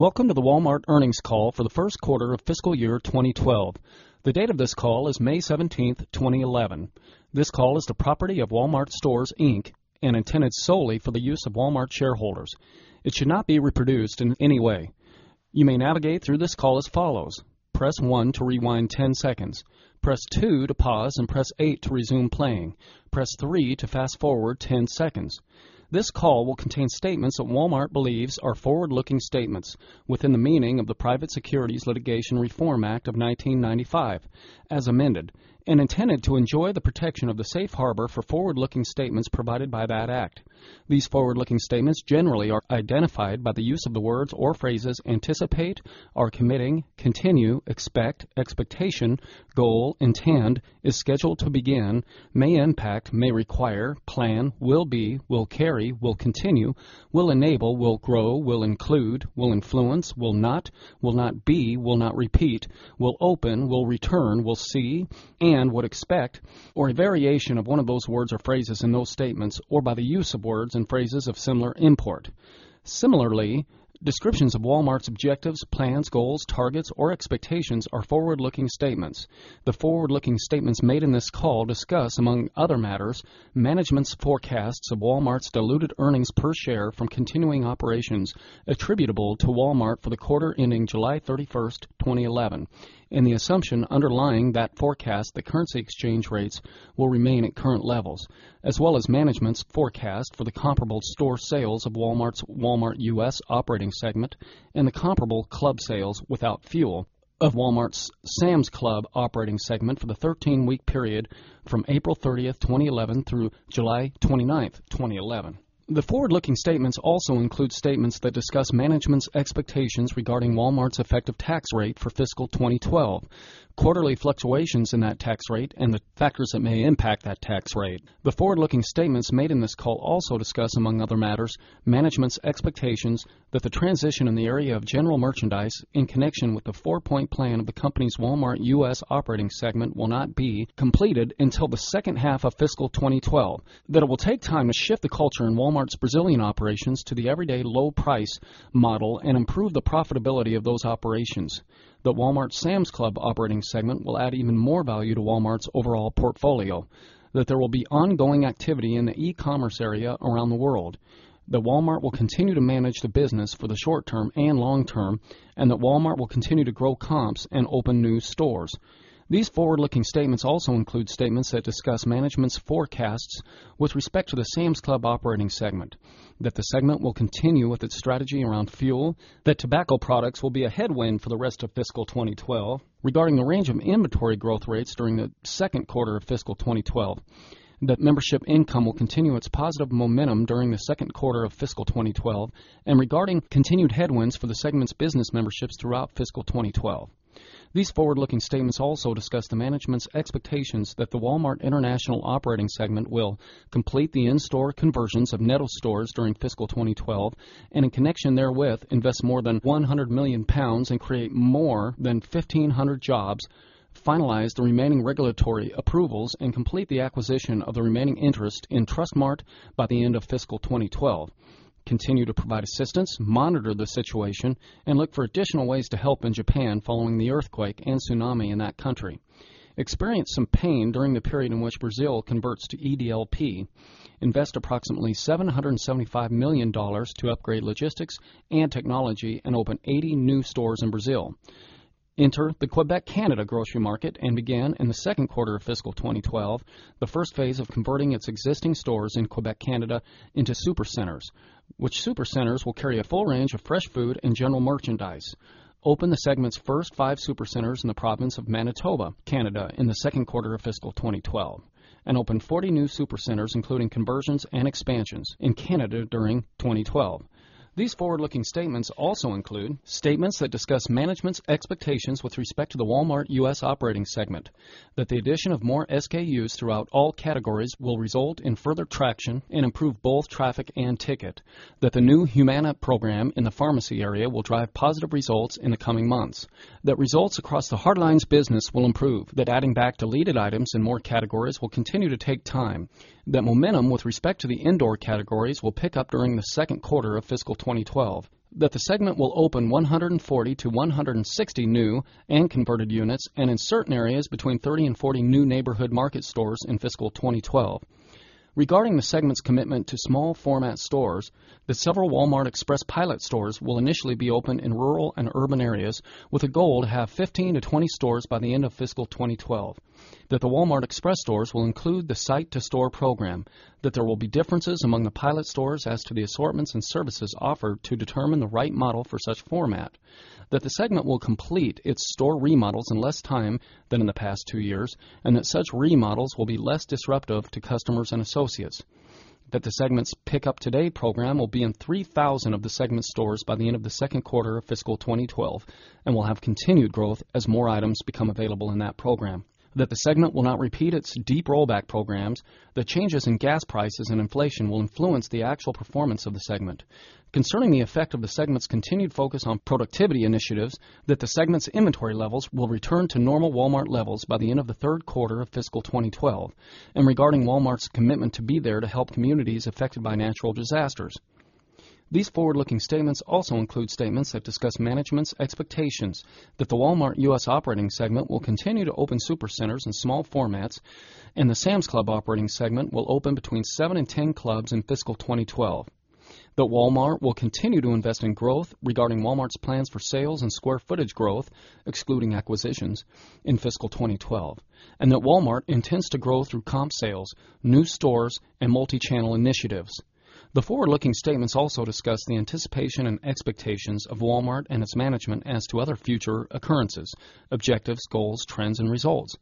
Welcome to the Walmart Earnings Call for the First Quarter of Fiscal Year 2012. The date of this call is May 17th, 2011. This call is the property of Walmart Stores, Inc. and intended solely for the use of Walmart shareholders. It should not be reproduced in any way. You may navigate through this call as follows: press one to rewind 10 seconds, press two to pause, and press eight to resume playing. Press three to fast forward 10 seconds. This call will contain statements that Walmart believes are forward-looking statements within the meaning of the Private Securities Litigation Reform Act of 1995, as amended, and intended to enjoy the protection of the safe harbor for forward-looking statements provided by that act. These forward-looking statements generally are identified by the use of the words or phrases anticipate, are committing, continue, expect, expectation, goal, intend, is scheduled to begin, may impact, may require, plan, will be, will carry, will continue, will enable, will grow, will include, will influence, will not, will not be, will not repeat, will open, will return, will see, and would expect, or a variation of one of those words or phrases in those statements, or by the use of words and phrases of similar import. Similarly, descriptions of Walmart's objectives, plans, goals, targets, or expectations are forward-looking statements. The forward-looking statements made in this call discuss, among other matters, management's forecasts of Walmart's diluted earnings per share from continuing operations attributable to Walmart for the quarter ending July 31st, 2011, and the assumption underlying that forecast that currency exchange rates will remain at current levels, as well as management's forecast for the comparable sales of Walmart's Walmart U.S. operating segment and the comparable club sales without fuel of Walmart's Sam's Club operating segment for the 13-week period from April 30th, 2011, through July 29th, 2011. The forward-looking statements also include statements that discuss management's expectations regarding Walmart's effective tax rate for fiscal 2012, quarterly fluctuations in that tax rate, and the factors that may impact that tax rate. The forward-looking statements made in this call also discuss, among other matters, management's expectations that the transition in the area of general merchandise in connection with the four-point plan of the company's Walmart U.S. operating segment will not be completed until the second half of fiscal 2012, that it will take time to shift the culture in Walmart's Brazilian operations to the everyday low price model and improve the profitability of those operations, that Walmart's Sam's Club operating segment will add even more value to Walmart's overall portfolio, that there will be ongoing activity in the e-commerce area around the world, that Walmart will continue to manage the business for the short term and long term, and that Walmart will continue to grow comps and open new stores. These forward-looking statements also include statements that discuss management's forecasts with respect to the Sam's Club operating segment, that the segment will continue with its strategy around fuel, that tobacco products will be a headwind for the rest of fiscal 2012, regarding the range of inventory growth rates during the second quarter of fiscal 2012, that membership income will continue its positive momentum during the second quarter of fiscal 2012, and regarding continued headwinds for the segment's business memberships throughout fiscal 2012. These forward-looking statements also discuss management's expectations that the Walmart International operating segment will complete the in-store conversions of Netto stores during fiscal 2012, and in connection therewith, invest more than 100 million pounds and create more than 1,500 jobs, finalize the remaining regulatory approvals, and complete the acquisition of the remaining interest in Trustmart by the end of fiscal 2012, continue to provide assistance, monitor the situation, and look for additional ways to help in Japan following the earthquake and tsunami in that country, experience some pain during the period in which Brazil converts to EDLP, invest approximately $775 million to upgrade logistics and technology, and open 80 new stores in Brazil, enter the Quebec, Canada grocery market, and begin in the second quarter of fiscal 2012 the first phase of converting its existing stores in Quebec, Canada into supercenters, which supercenters will carry a full range of fresh food and general merchandise, open the segment's first five supercenters in the province of Manitoba, Canada, in the second quarter of fiscal 2012, and open 40 new supercenters including conversions and expansions in Canada during 2012. These forward-looking statements also include statements that discuss management's expectations with respect to the Walmart U.S. operating segment, that the addition of more SKUs throughout all categories will result in further traction and improve both traffic and ticket, that the new Humana program in the pharmacy area will drive positive results in the coming months, that results across the hardlines business will improve, that adding back deleted items in more categories will continue to take time, that momentum with respect to the indoor categories will pick up during the second quarter of fiscal 2012, that the segment will open 140 to 160 new and converted units, and in certain areas between 30 and 40 new Neighborhood Market stores in fiscal 2012. Regarding the segment's commitment to small format stores, the several Walmart Express pilot stores will initially be open in rural and urban areas with a goal to have 15 to 20 stores by the end of fiscal 2012, that the Walmart Express stores will include the site-to-store program, that there will be differences among the pilot stores as to the assortments and services offered to determine the right model for such format, that the segment will complete its store remodels in less time than in the past two years, and that such remodels will be less disruptive to customers and associates, that the segment's Pick Up Today program will be in 3,000 of the segment stores by the end of the second quarter of fiscal 2012 and will have continued growth as more items become available in that program, that the segment will not repeat its deep rollback programs, that changes in gas prices and inflation will influence the actual performance of the segment. Concerning the effect of the segment's continued focus on productivity initiatives, that the segment's inventory levels will return to normal Walmart levels by the end of the third quarter of fiscal 2012, and regarding Walmart's commitment to be there to help communities affected by natural disasters. These forward-looking statements also include statements that discuss management's expectations that the Walmart U.S. operating segment will continue to open supercenters in small formats, and the Sam's Club operating segment will open between 7 and 10 clubs in fiscal 2012, that Walmart will continue to invest in growth regarding Walmart's plans for sales and square footage growth, excluding acquisitions, in fiscal 2012, and that Walmart intends to grow through comp sales, new stores, and multi-channel initiatives. The forward-looking statements also discuss the anticipation and expectations of Walmart and its management as to other future occurrences, objectives, goals, trends, and results.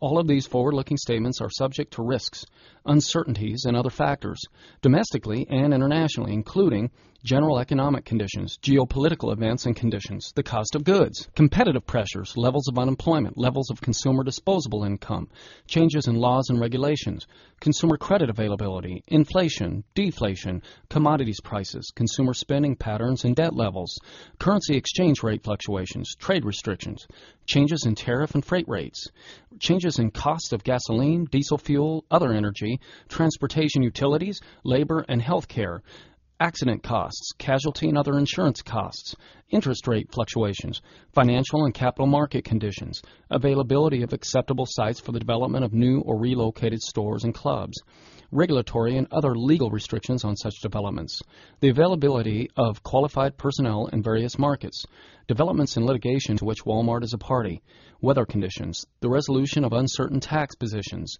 All of these forward-looking statements are subject to risks, uncertainties, and other factors, domestically and internationally, including general economic conditions, geopolitical events and conditions, the cost of goods, competitive pressures, levels of unemployment, levels of consumer disposable income, changes in laws and regulations, consumer credit availability, inflation, deflation, commodities prices, consumer spending patterns and debt levels, currency exchange rate fluctuations, trade restrictions, changes in tariff and freight rates, changes in cost of gasoline, diesel fuel, other energy, transportation utilities, labor, and healthcare, accident costs, casualty and other insurance costs, interest rate fluctuations, financial and capital market conditions, availability of acceptable sites for the development of new or relocated stores and clubs, regulatory and other legal restrictions on such developments, the availability of qualified personnel in various markets, developments in litigation to which Walmart is a party, weather conditions, the resolution of uncertain tax positions,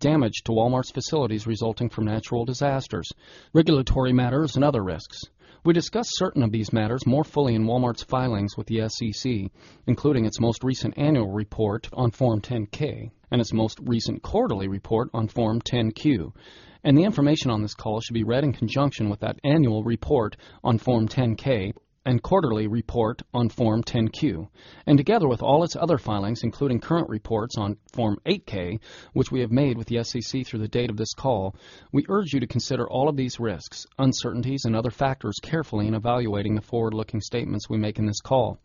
damage to Walmart's facilities resulting from natural disasters, regulatory matters, and other risks. We discuss certain of these matters more fully in Walmart's filings with the SEC, including its most recent annual report on Form 10-K and its most recent quarterly report on Form 10-Q. The information on this call should be read in conjunction with that annual report on Form 10-K and quarterly report on Form 10-Q. Together with all its other filings, including current reports on Form 8-K, which we have made with the SEC through the date of this call, we urge you to consider all of these risks, uncertainties, and other factors carefully in evaluating the forward-looking statements we make in this call.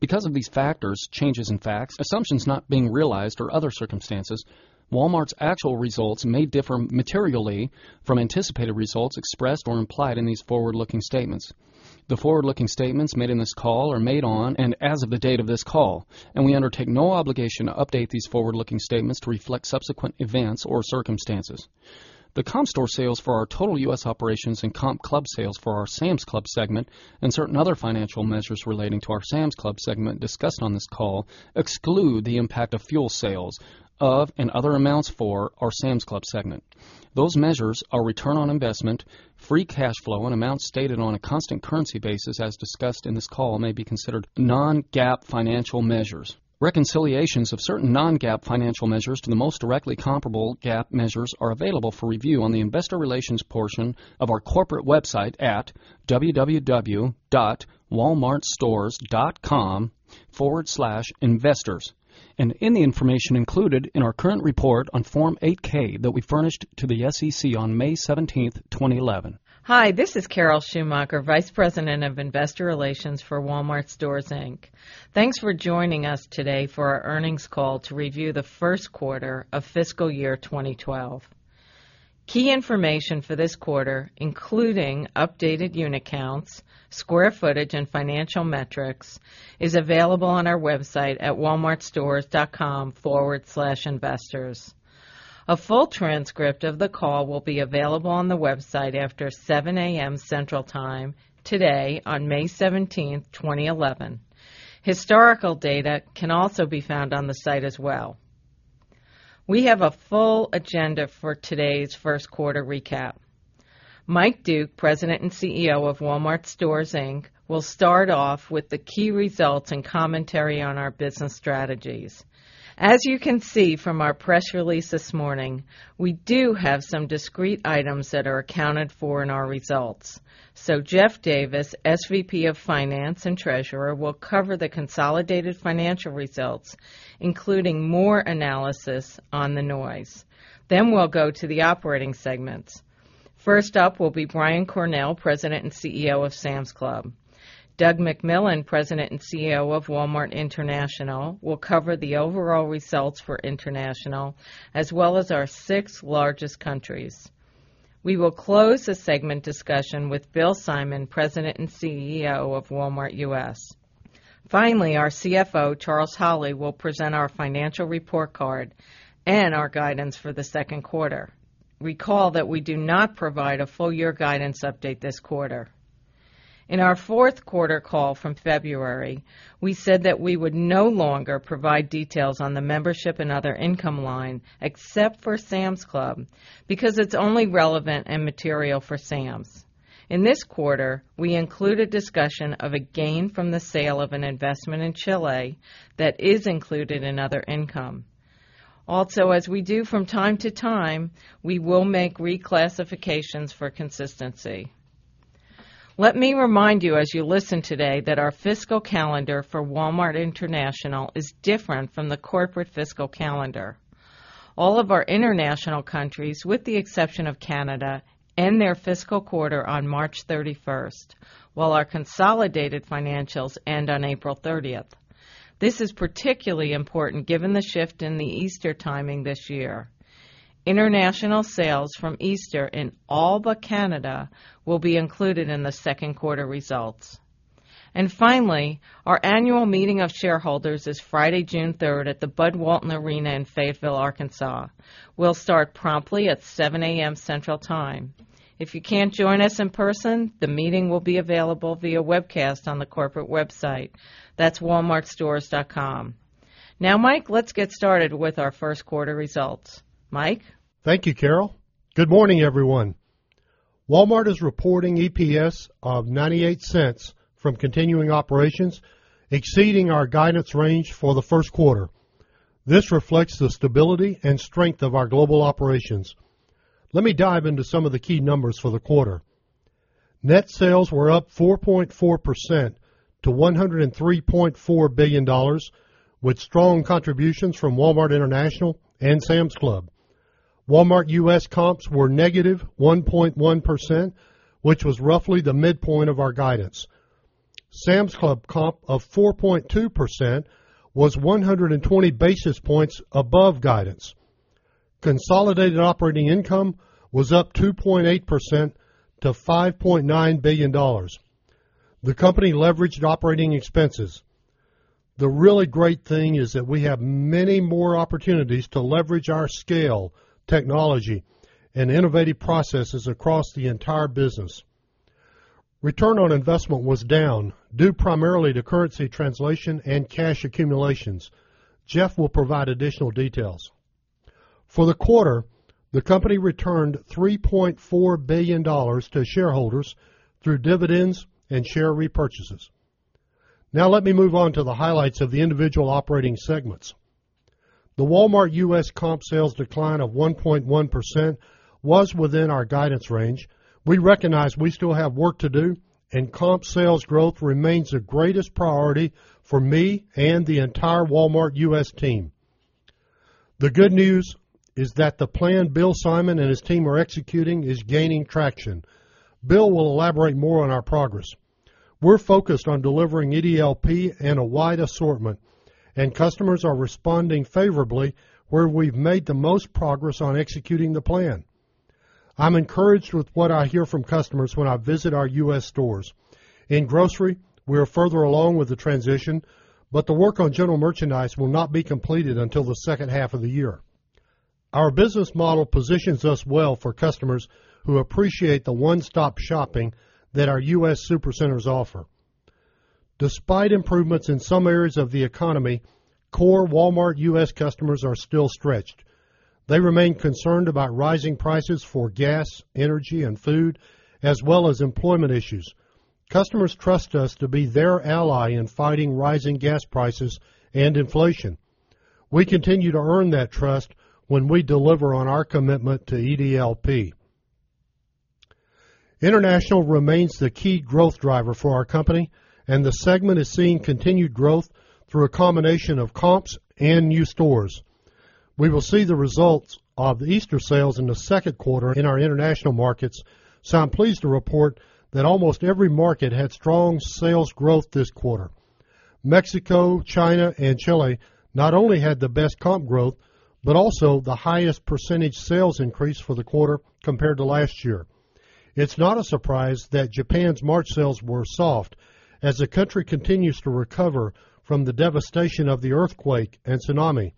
Because of these factors, changes in facts, assumptions not being realized, or other circumstances, Walmart's actual results may differ materially from anticipated results expressed or implied in these forward-looking statements. The forward-looking statements made in this call are made on and as of the date of this call, and we undertake no obligation to update these forward-looking statements to reflect subsequent events or circumstances. The comp store sales for our total U.S. operations and comp club sales for our Sam's Club segment and certain other financial measures relating to our Sam's Club segment discussed on this call exclude the impact of fuel sales and other amounts for our Sam's Club segment. Those measures, our return on investment, free cash flow, and amounts stated on a constant currency basis, as discussed in this call, may be considered non-GAAP financial measures. Reconciliations of certain non-GAAP financial measures to the most directly comparable GAAP measures are available for review on the Investor Relations portion of our corporate website at www.walmartstores.com/investors. The information is also included in our current report on Form 8-K that we furnished to the SEC on May 17th, 2011. Hi. This is Carol Schumacher, Vice President of Investor Relations for Walmart Stores, Inc. Thanks for joining us today for our earnings call to review the first quarter of fiscal year 2012. Key information for this quarter, including updated unit counts, square footage, and financial metrics, is available on our website at walmartstores.com/investors. A full transcript of the call will be available on the website after 7:00 A.M. Central Time today on May 17th, 2011. Historical data can also be found on the site as well. We have a full agenda for today's first quarter recap. Mike Duke, President and CEO of Walmart Stores, Inc., will start off with the key results and commentary on our business strategies. As you can see from our press release this morning, we do have some discrete items that are accounted for in our results. Jeff Davis, SVP of Finance and Treasurer, will cover the consolidated financial results, including more analysis on the noise. We will go to the operating segments. First up will be Brian Cornell, President and CEO of Sam’s Club. Doug McMillon, President and CEO of Walmart International, will cover the overall results for International, as well as our six largest countries. We will close the segment discussion with Bill Simon, President and CEO of Walmart U.S. Finally, our CFO, Charles Holley, will present our financial report card and our guidance for the second quarter. Recall that we do not provide a full-year guidance update this quarter. In our fourth quarter call from February, we said that we would no longer provide details on the membership and other income line except for Sam’s Club because it's only relevant and material for Sam’s. In this quarter, we include a discussion of a gain from the sale of an investment in Chile that is included in other income. Also, as we do from time to time, we will make reclassifications for consistency. Let me remind you, as you listen today, that our fiscal calendar for Walmart International is different from the corporate fiscal calendar. All of our international countries, with the exception of Canada, end their fiscal quarter on March 31st, while our consolidated financials end on April 30. This is particularly important given the shift in the Easter timing this year. International sales from Easter in all but Canada will be included in the second quarter results. Finally, our annual meeting of shareholders is Friday, June 3, at the Bud Walton Arena in Fayetteville, Arkansas. We'll start promptly at 7:00 A.M. Central Time. If you can't join us in person, the meeting will be available via webcast on the corporate website. That's walmartstores.com. Now, Mike, let's get started with our first quarter results. Mike? Thank you, Carol. Good morning, everyone. Walmart is reporting EPS of $0.98 from continuing operations, exceeding our guidance range for the first quarter. This reflects the stability and strength of our global operations. Let me dive into some of the key numbers for the quarter. Net sales were up 4.4% to $103.4 billion, with strong contributions from Walmart International and Sam's Club. Walmart U.S. comps were -1.1%, which was roughly the midpoint of our guidance. Sam's Club comp of 4.2% was 120 basis points above guidance. Consolidated operating income was up 2.8% to $5.9 billion. The company leveraged operating expenses. The really great thing is that we have many more opportunities to leverage our scale, technology, and innovative processes across the entire business. Return on investment was down, due primarily to currency translation and cash accumulations. Jeff will provide additional details. For the quarter, the company returned $3.4 billion to shareholders through dividends and share repurchases. Now, let me move on to the highlights of the individual operating segments. The Walmart U.S. comp sales decline of 1.1% was within our guidance range. We recognize we still have work to do, and comp sales growth remains the greatest priority for me and the entire Walmart U.S. team. The good news is that the plan Bill Simon and his team are executing is gaining traction. Bill will elaborate more on our progress. We're focused on delivering EDLP and a wide assortment, and customers are responding favorably where we've made the most progress on executing the plan. I'm encouraged with what I hear from customers when I visit our U.S. stores. In grocery, we are further along with the transition, but the work on general merchandise will not be completed until the second half of the year. Our business model positions us well for customers who appreciate the one-stop shopping that our U.S. supercenters offer. Despite improvements in some areas of the economy, core Walmart U.S. customers are still stretched. They remain concerned about rising prices for gas, energy, and food, as well as employment issues. Customers trust us to be their ally in fighting rising gas prices and inflation. We continue to earn that trust when we deliver on our commitment to EDLP. International remains the key growth driver for our company, and the segment is seeing continued growth through a combination of comps and new stores. We will see the results of the Easter sales in the second quarter in our international markets, so I'm pleased to report that almost every market had strong sales growth this quarter. Mexico, China, and Chile not only had the best comp growth but also the highest percentage sales increase for the quarter compared to last year. It's not a surprise that Japan's March sales were soft as the country continues to recover from the devastation of the earthquake and tsunami.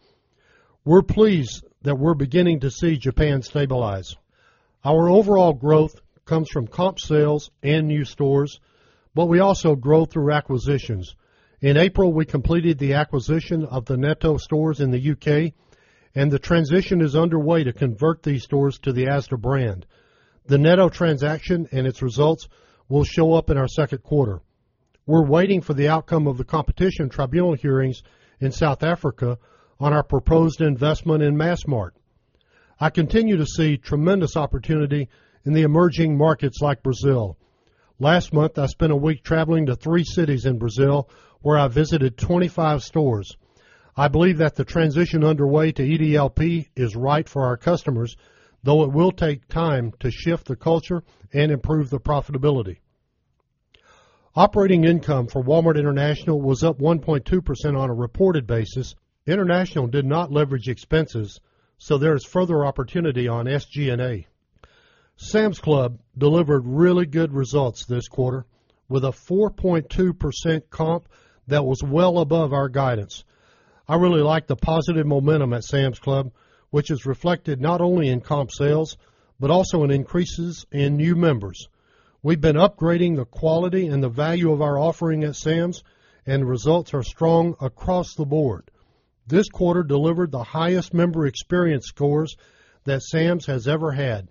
We're pleased that we're beginning to see Japan stabilize. Our overall growth comes from comp sales and new stores, but we also grow through acquisitions. In April, we completed the acquisition of the Netto stores in the U.K., and the transition is underway to convert these stores to the ASDA brand. The Netto transaction and its results will show up in our second quarter. We're waiting for the outcome of the competition tribunal hearings in South Africa on our proposed investment in Massmart. I continue to see tremendous opportunity in the emerging markets like Brazil. Last month, I spent a week traveling to three cities in Brazil where I visited 25 stores. I believe that the transition underway to EDLP is right for our customers, though it will take time to shift the culture and improve the profitability. Operating income for Walmart International was up 1.2% on a reported basis. International did not leverage expenses, so there is further opportunity on SG&A. Sam's Club delivered really good results this quarter with a 4.2% comp that was well above our guidance. I really like the positive momentum at Sam's Club, which is reflected not only in comp sales but also in increases in new members. We've been upgrading the quality and the value of our offering at Sam's, and the results are strong across the board. This quarter delivered the highest member experience scores that Sam's has ever had.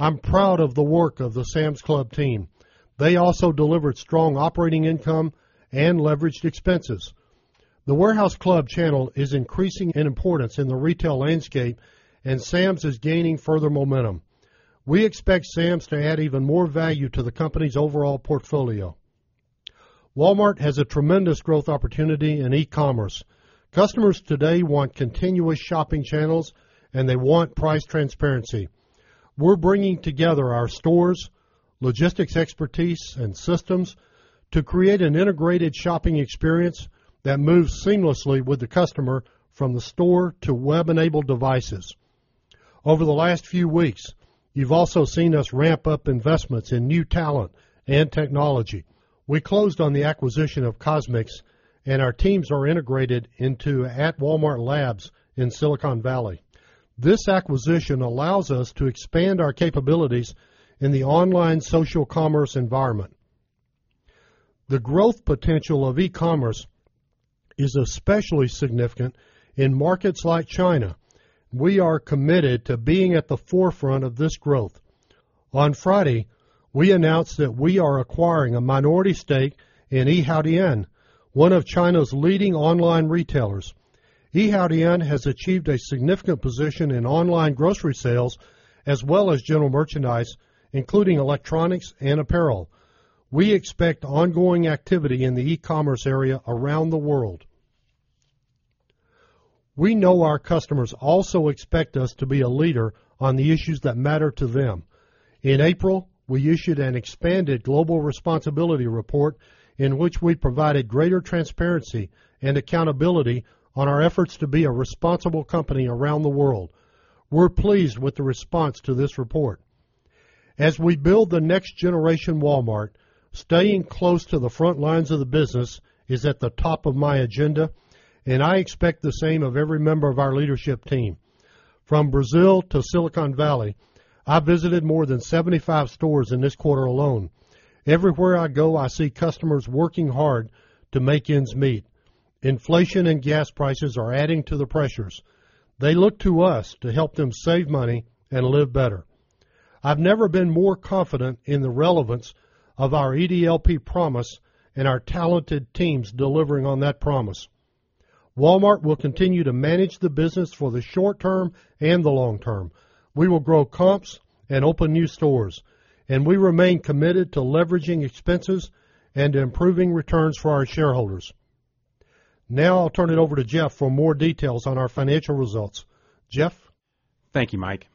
I'm proud of the work of the Sam's Club team. They also delivered strong operating income and leveraged expenses. The warehouse club channel is increasing in importance in the retail landscape, and Sam's is gaining further momentum. We expect Sam's to add even more value to the company's overall portfolio. Walmart has a tremendous growth opportunity in e-commerce. Customers today want continuous shopping channels, and they want price transparency. We're bringing together our stores, logistics expertise, and systems to create an integrated shopping experience that moves seamlessly with the customer from the store to web-enabled devices. Over the last few weeks, you've also seen us ramp up investments in new talent and technology. We closed on the acquisition of Kosmix, and our teams are integrated into @WalmartLabs in Silicon Valley. This acquisition allows us to expand our capabilities in the online social commerce environment. The growth potential of e-commerce is especially significant in markets like China. We are committed to being at the forefront of this growth. On Friday, we announced that we are acquiring a minority stake in Yihaodian, one of China's leading online retailers. Yihaodian has achieved a significant position in online grocery sales as well as general merchandise, including electronics and apparel. We expect ongoing activity in the e-commerce area around the world. We know our customers also expect us to be a leader on the issues that matter to them. In April, we issued an expanded global responsibility report in which we provided greater transparency and accountability on our efforts to be a responsible company around the world. We're pleased with the response to this report. As we build the next-generation Walmart, staying close to the front lines of the business is at the top of my agenda, and I expect the same of every member of our leadership team. From Brazil to Silicon Valley, I visited more than 75 stores in this quarter alone. Everywhere I go, I see customers working hard to make ends meet. Inflation and gas prices are adding to the pressures. They look to us to help them save money and live better. I've never been more confident in the relevance of our EDLP promise and our talented teams delivering on that promise. Walmart will continue to manage the business for the short term and the long term. We will grow comps and open new stores, and we remain committed to leveraging expenses and improving returns for our shareholders. Now, I'll turn it over to Jeff for more details on our financial results. Jeff? Thank you, Mike.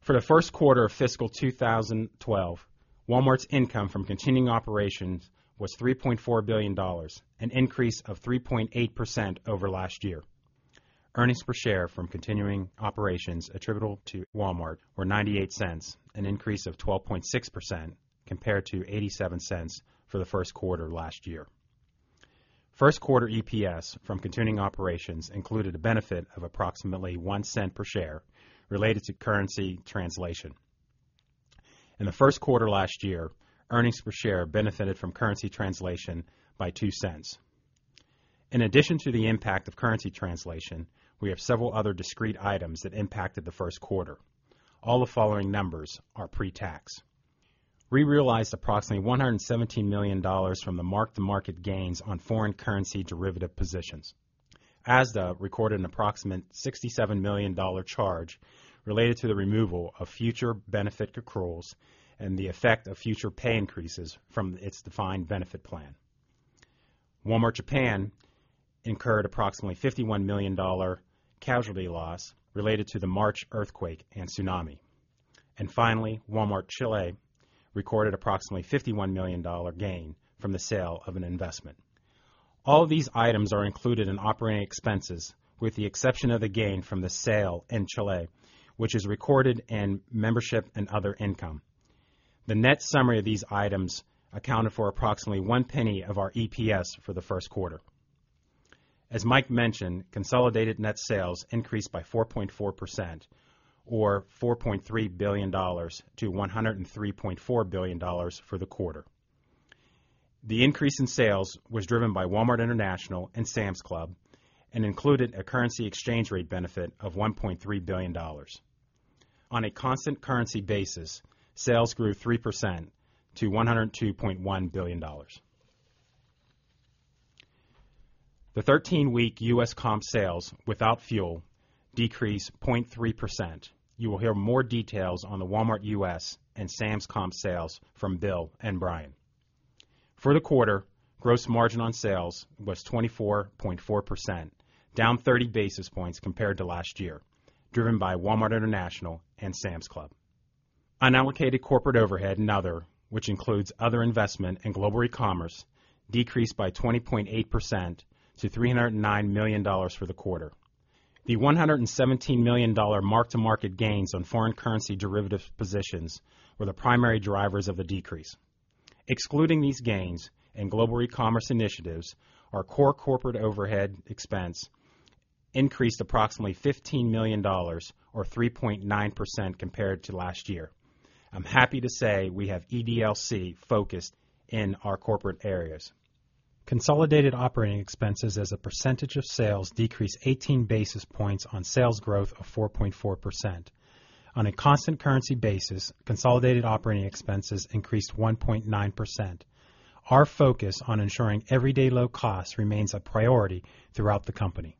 For the first quarter of fiscal 2012, Walmart's income from continuing operations was $3.4 billion, an increase of 3.8% over last year. Earnings per share from continuing operations attributable to Walmart were $0.98, an increase of 12.6% compared to $0.87 for the first quarter last year. First quarter EPS from continuing operations included a benefit of approximately $0.01 per share related to currency translation. In the first quarter last year, earnings per share benefited from currency translation by $0.02. In addition to the impact of currency translation, we have several other discrete items that impacted the first quarter. All the following numbers are pre-tax. We realized approximately $117 million from the mark-to-market gains on foreign currency derivative positions. We also recorded an approximate $67 million charge related to the removal of future benefit accruals and the effect of future pay increases from its defined benefit plan. Walmart Japan incurred approximately $51 million casualty loss related to the March earthquake and tsunami. Finally, Walmart Chile recorded approximately $51 million gain from the sale of an investment. All of these items are included in operating expenses with the exception of the gain from the sale in Chile, which is recorded in membership and other income. The net summary of these items accounted for approximately $0.01 of our EPS for the first quarter. As Mike mentioned, consolidated net sales increased by 4.4%, or $4.3 billion, to $103.4 billion for the quarter. The increase in sales was driven by Walmart International and Sam's Club and included a currency exchange rate benefit of $1.3 billion. On a constant currency basis, sales grew 3% to $102.1 billion. The 13-week U.S. comp sales without fuel decreased 0.3%. You will hear more details on the Walmart US and Sam's comp sales from Bill and Brian. For the quarter, gross margin on sales was 24.4%, down 30 basis points compared to last year, driven by Walmart International and Sam's Club. Unallocated corporate overhead and other, which includes other investment and global e-commerce, decreased by 20.8% to $309 million for the quarter. The $117 million mark-to-market gains on foreign currency derivative positions were the primary drivers of the decrease. Excluding these gains and global e-commerce initiatives, our core corporate overhead expense increased approximately $15 million, or 3.9% compared to last year. I'm happy to say we have EDLC focused in our corporate areas. Consolidated operating expenses as a percentage of sales decreased 18 basis points on sales growth of 4.4%. On a constant currency basis, consolidated operating expenses increased 1.9%. Our focus on ensuring everyday low cost remains a priority throughout the company.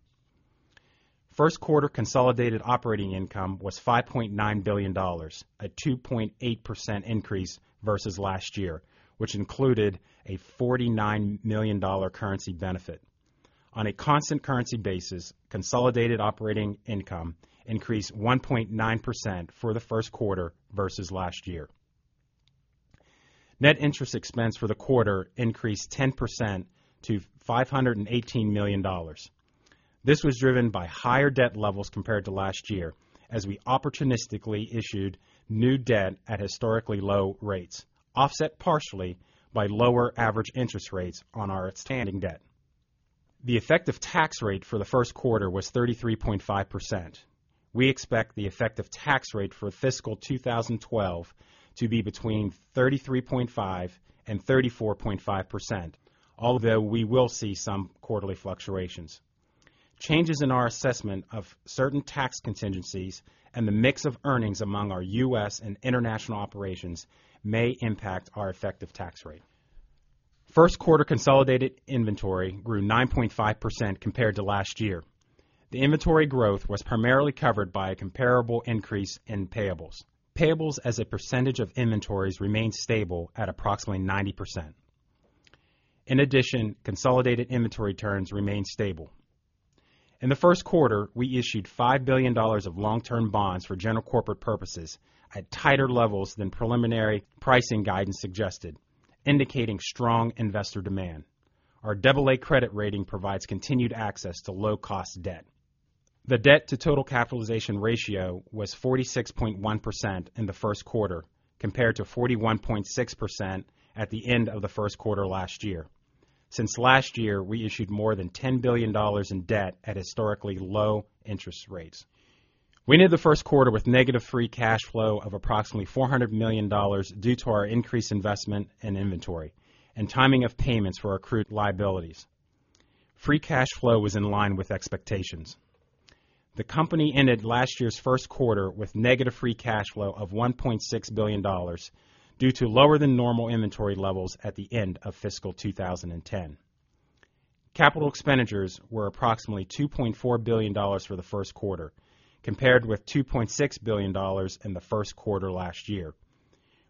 First quarter consolidated operating income was $5.9 billion, a 2.8% increase versus last year, which included a $49 million currency benefit. On a constant currency basis, consolidated operating income increased 1.9% for the first quarter versus last year. Net interest expense for the quarter increased 10% to $518 million. This was driven by higher debt levels compared to last year as we opportunistically issued new debt at historically low rates, offset partially by lower average interest rates on our outstanding debt. The effective tax rate for the first quarter was 33.5%. We expect the effective tax rate for fiscal 2012 to be between 33.5% and 34.5%, although we will see some quarterly fluctuations. Changes in our assessment of certain tax contingencies and the mix of earnings among our U.S. and international operations may impact our effective tax rate. First quarter consolidated inventory grew 9.5% compared to last year. The inventory growth was primarily covered by a comparable increase in payables. Payables as a percentage of inventories remained stable at approximately 90%. In addition, consolidated inventory turns remained stable. In the first quarter, we issued $5 billion of long-term bonds for general corporate purposes at tighter levels than preliminary pricing guidance suggested, indicating strong investor demand. Our AA credit rating provides continued access to low-cost debt. The debt-to-total capitalization ratio was 46.1% in the first quarter compared to 41.6% at the end of the first quarter last year. Since last year, we issued more than $10 billion in debt at historically low interest rates. We ended the first quarter with negative free cash flow of approximately $400 million due to our increased investment in inventory and timing of payments for accrued liabilities. Free cash flow was in line with expectations. The company ended last year's first quarter with negative free cash flow of $1.6 billion due to lower than normal inventory levels at the end of fiscal 2010. Capital expenditures were approximately $2.4 billion for the first quarter compared with $2.6 billion in the first quarter last year.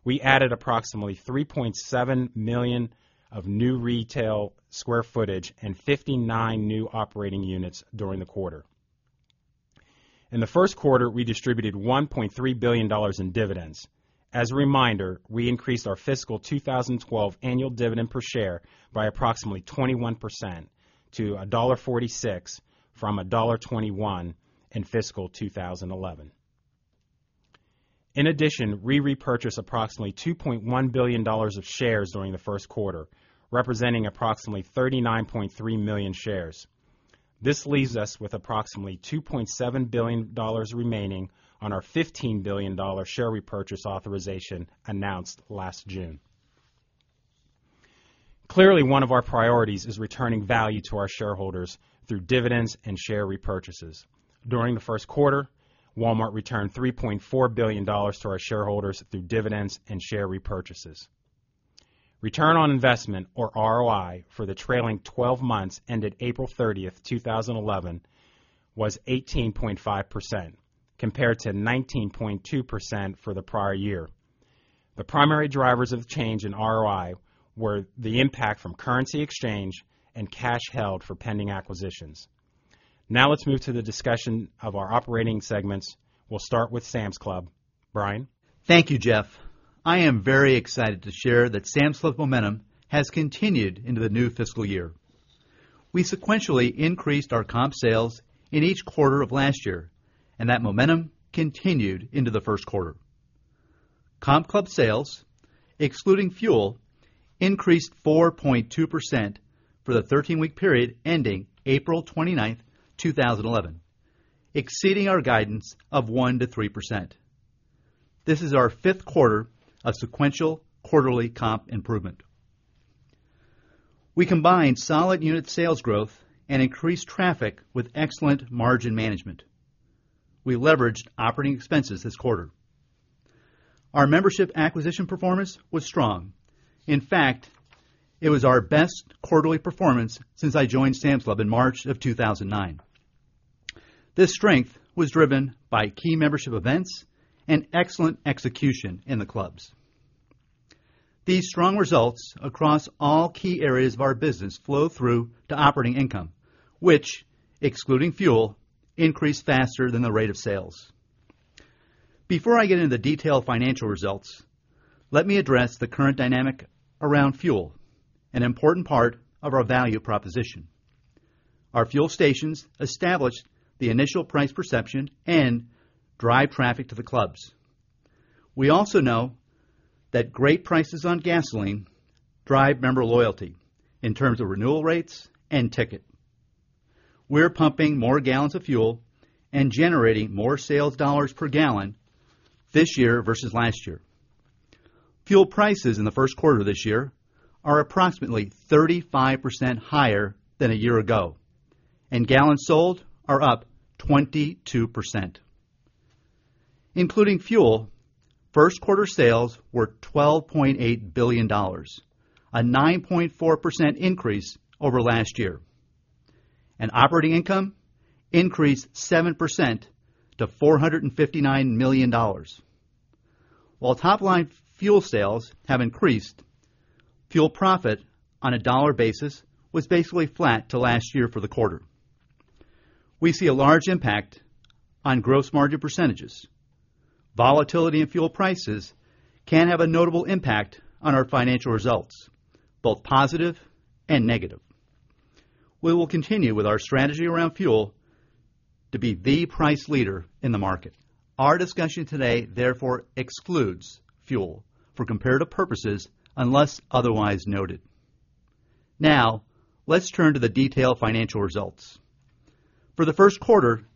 We added approximately 3.7 million of new retail square footage and 59 new operating units during the quarter. In the first quarter, we distributed $1.3 billion in dividends. As a reminder, we increased our fiscal 2012 annual dividend per share by approximately 21% to $1.46 from $1.21 in fiscal 2011. In addition, we repurchased approximately $2.1 billion of shares during the first quarter, representing approximately 39.3 million shares. This leaves us with approximately $2.7 billion remaining on our $15 billion share repurchase authorization announced last June. Clearly, one of our priorities is returning value to our shareholders through dividends and share repurchases. During the first quarter, Walmart returned $3.4 billion to our shareholders through dividends and share repurchases. Return on investment, or ROI, for the trailing 12 months ended April 30th, 2011, was 18.5% compared to 19.2% for the prior year. The primary drivers of the change in ROI were the impact from currency exchange and cash held for pending acquisitions. Now, let's move to the discussion of our operating segments. We'll start with Sam's Club. Brian? Thank you, Jeff. I am very excited to share that Sam's Club momentum has continued into the new fiscal year. We sequentially increased our comp sales in each quarter of last year, and that momentum continued into the first quarter. Comp club sales, excluding fuel, increased 4.2% for the 13-week period ending April 29th, 2011, exceeding our guidance of 1%-3%. This is our fifth quarter of sequential quarterly comp improvement. We combined solid unit sales growth and increased traffic with excellent margin management. We leveraged operating expenses this quarter. Our membership acquisition performance was strong. In fact, it was our best quarterly performance since I joined Sam's Club in March of 2009. This strength was driven by key membership events and excellent execution in the clubs. These strong results across all key areas of our business flow through to operating income, which, excluding fuel, increased faster than the rate of sales. Before I get into the detailed financial results, let me address the current dynamic around fuel, an important part of our value proposition. Our fuel stations established the initial price perception and drive traffic to the clubs. We also know that great prices on gasoline drive member loyalty in terms of renewal rates and ticket. We're pumping more gallons of fuel and generating more sales dollars per gallon this year versus last year. Fuel prices in the first quarter of this year are approximately 35% higher than a year ago, and gallons sold are up 22%. Including fuel, first quarter sales were $12.8 billion, a 9.4% increase over last year, and operating income increased 7% to $459 million. While top-line fuel sales have increased, fuel profit on a dollar basis was basically flat to last year for the quarter. We see a large impact on gross margin percentages. Volatility in fuel prices can have a notable impact on our financial results, both positive and negative. We will continue with our strategy around fuel to be the price leader in the market. Our discussion today, therefore, excludes fuel for comparative purposes unless otherwise noted. Now, let's turn to the detailed financial results. For the first quarter,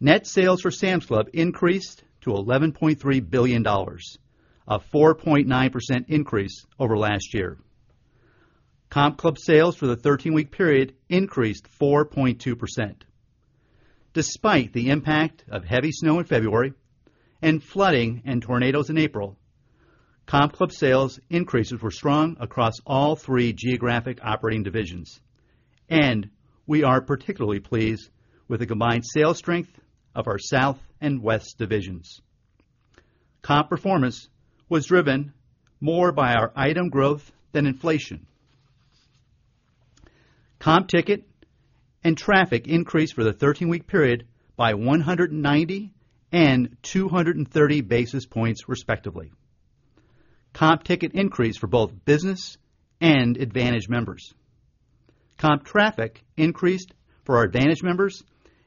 net sales for Sam's Club increased to $11.3 billion, a 4.9% increase over last year. Comp club sales for the 13-week period increased 4.2%. Despite the impact of heavy snow in February and flooding and tornadoes in April, comp club sales increases were strong across all three geographic operating divisions, and we are particularly pleased with the combined sales strength of our South and West divisions. Comp performance was driven more by our item growth than inflation. Comp ticket and traffic increased for the 13-week period by 190 and 230 basis points, respectively. Comp ticket increased for both business and advantage members. Comp traffic increased for our advantage members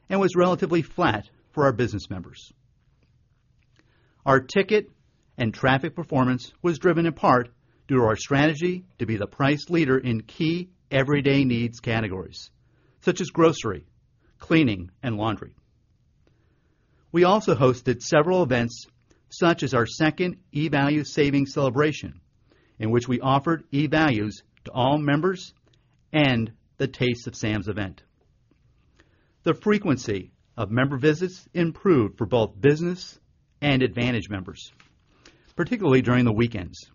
and was relatively flat for our business members. Our ticket and traffic performance was driven in part due to our strategy to be the price leader in key everyday needs categories, such as grocery, cleaning, and laundry. We also hosted several events, such as our second e-value savings celebration, in which we offered e-values to all members and the Taste of Sam's event. The frequency of member visits improved for both business and advantage members, particularly during the weekends.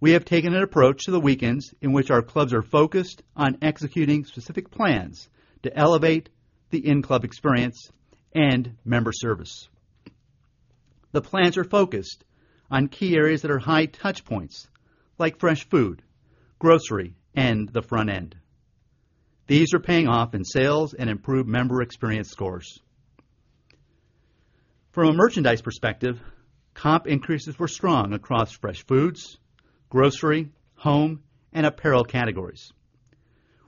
We have taken an approach to the weekends in which our clubs are focused on executing specific plans to elevate the in-club experience and member service. The plans are focused on key areas that are high touch points, like fresh food, grocery, and the front end. These are paying off in sales and improved member experience scores. From a merchandise perspective, comp increases were strong across fresh foods, grocery, home, and apparel categories.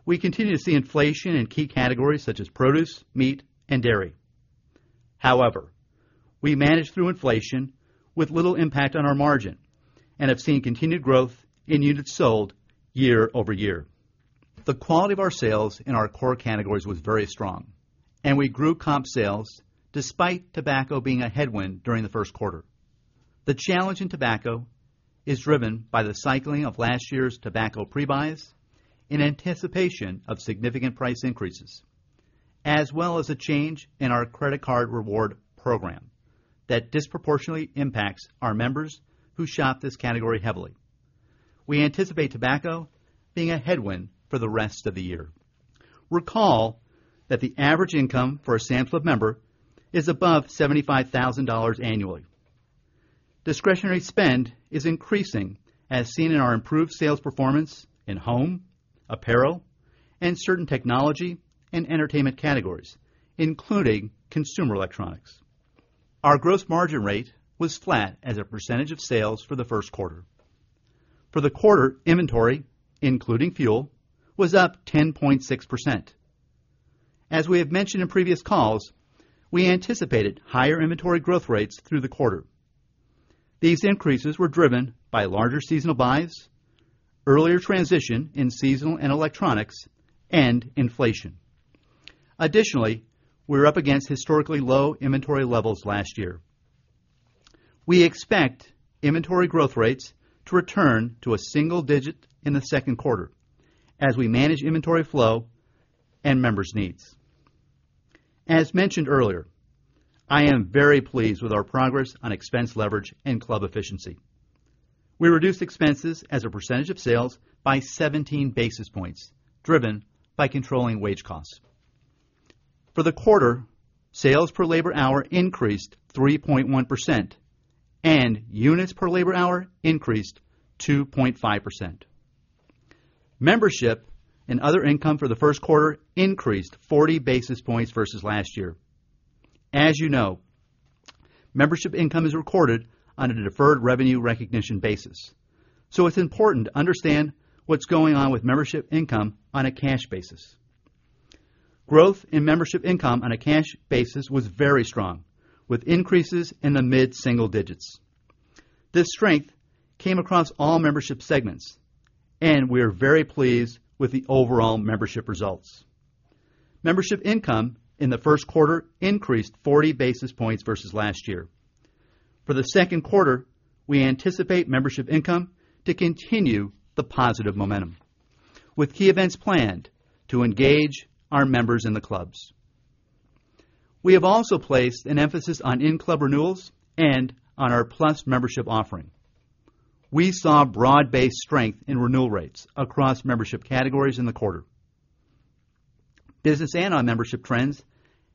We continue to see inflation in key categories such as produce, meat, and dairy. However, we managed through inflation with little impact on our margin and have seen continued growth in units sold year-over-year. The quality of our sales in our core categories was very strong, and we grew comp sales despite tobacco being a headwind during the first quarter. The challenge in tobacco is driven by the cycling of last year's tobacco pre-buys in anticipation of significant price increases, as well as a change in our credit card reward program that disproportionately impacts our members who shop this category heavily. We anticipate tobacco being a headwind for the rest of the year. Recall that the average income for a Sam's Club member is above $75,000 annually. Discretionary spend is increasing as seen in our improved sales performance in home, apparel, and certain technology and entertainment categories, including consumer electronics. Our gross margin rate was flat as a percentage of sales for the first quarter. For the quarter, inventory, including fuel, was up 10.6%. As we have mentioned in previous calls, we anticipated higher inventory growth rates through the quarter. These increases were driven by larger seasonal buys, earlier transition in seasonal and electronics, and inflation. Additionally, we're up against historically low inventory levels last year. We expect inventory growth rates to return to a single digit in the second quarter as we manage inventory flow and members' needs. As mentioned earlier, I am very pleased with our progress on expense leverage and club efficiency. We reduced expenses as a percentage of sales by 17 basis points, driven by controlling wage costs. For the quarter, sales per labor hour increased 3.1%, and units per labor hour increased 2.5%. Membership and other income for the first quarter increased 40 basis points versus last year. As you know, membership income is recorded on a deferred revenue recognition basis, so it's important to understand what's going on with membership income on a cash basis. Growth in membership income on a cash basis was very strong, with increases in the mid-single digits. This strength came across all membership segments, and we are very pleased with the overall membership results. Membership income in the first quarter increased 40 basis points versus last year. For the second quarter, we anticipate membership income to continue the positive momentum, with key events planned to engage our members in the clubs. We have also placed an emphasis on in-club renewals and on our Plus membership offering. We saw broad-based strength in renewal rates across membership categories in the quarter. Business and non-membership trends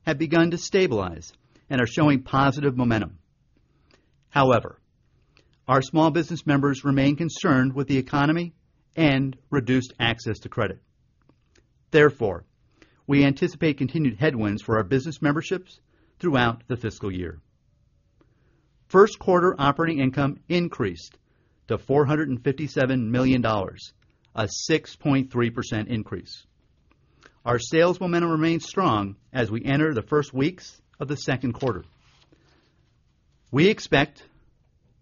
have begun to stabilize and are showing positive momentum. However, our small business members remain concerned with the economy and reduced access to credit. Therefore, we anticipate continued headwinds for our business memberships throughout the fiscal year. First quarter operating income increased to $457 million, a 6.3% increase. Our sales momentum remains strong as we enter the first weeks of the second quarter. We expect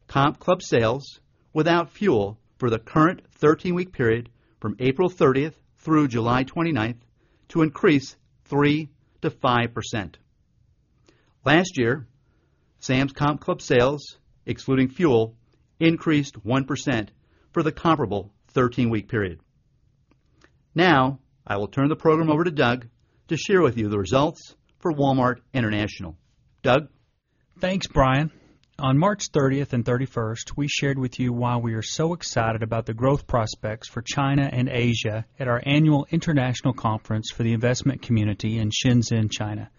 comp club sales without fuel for the current 13-week period from April 30th through July 29th to increase 3%-5%. Last year, Sam's Club comp club sales, excluding fuel, increased 1% for the comparable 13-week period. Now, I will turn the program over to Doug to share with you the results for Walmart International. Doug? Thanks, Brian. On March 30th and 31st, we shared with you why we are so excited about the growth prospects for China and Asia at our annual international conference for the investment community in Shenzhen, China.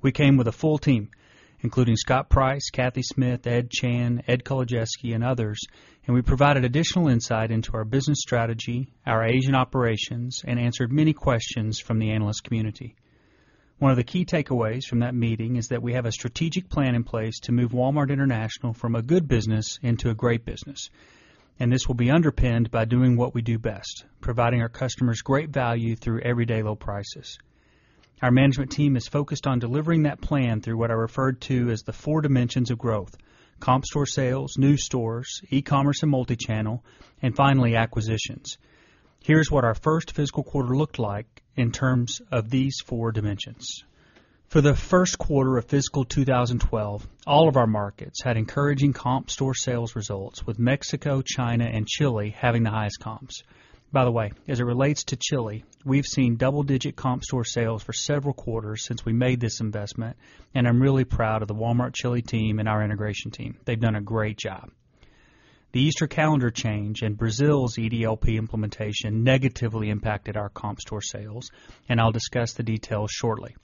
We came with a full team, including Scott Price, Kathy Smith, Ed Chan, Ed Kolodzieski, and others, and we provided additional insight into our business strategy, our Asian operations, and answered many questions from the analyst community. One of the key takeaways from that meeting is that we have a strategic plan in place to move Walmart International from a good business into a great business, and this will be underpinned by doing what we do best: providing our customers great value through everyday low prices. Our management team is focused on delivering that plan through what are referred to as the four dimensions of growth: comp store sales, new stores, e-commerce, and multi-channel, and finally, acquisitions. Here's what our first fiscal quarter looked like in terms of these four dimensions. For the first quarter of fiscal 2012, all of our markets had encouraging comp store sales results, with Mexico, China, and Chile having the highest comps. By the way, as it relates to Chile, we've seen double-digit comp store sales for several quarters since we made this investment, and I'm really proud of the Walmart Chile team and our integration team. They've done a great job. The Easter calendar change and Brazil's EDLP implementation negatively impacted our comp store sales, and I'll discuss the details shortly.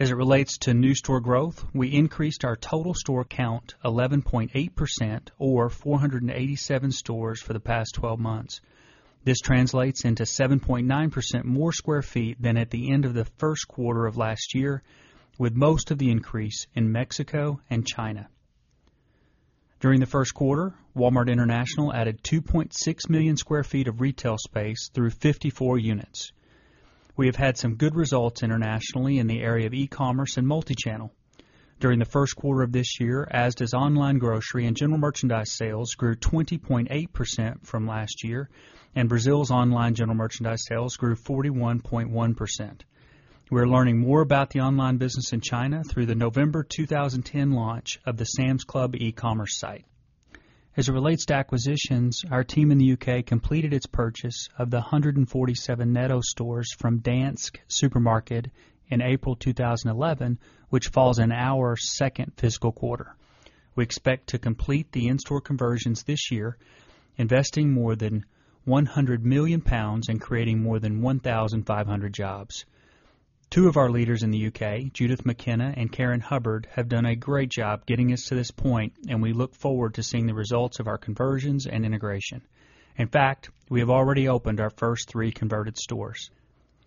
As it relates to new store growth, we increased our total store count 11.8%, or 487 stores for the past 12 months. This translates into 7.9% more sq ft than at the end of the first quarter of last year, with most of the increase in Mexico and China. During the first quarter, Walmart International added 2.6 million sq ft of retail space through 54 units. We have had some good results internationally in the area of e-commerce and multi-channel. During the first quarter of this year, ASDA's online grocery and general merchandise sales grew 20.8% from last year, and Brazil's online general merchandise sales grew 41.1%. We're learning more about the online business in China through the November 2010 launch of the Sam's Club e-commerce site. As it relates to acquisitions, our team in the U.K. completed its purchase of the 147 Netto stores from Dansk Supermarket in April 2011, which falls in our second fiscal quarter. We expect to complete the in-store conversions this year, investing more than 100 million pounds and creating more than 1,500 jobs. Two of our leaders in the U.K., Judith McKenna and Karen Hubbard, have done a great job getting us to this point, and we look forward to seeing the results of our conversions and integration. In fact, we have already opened our first three converted stores.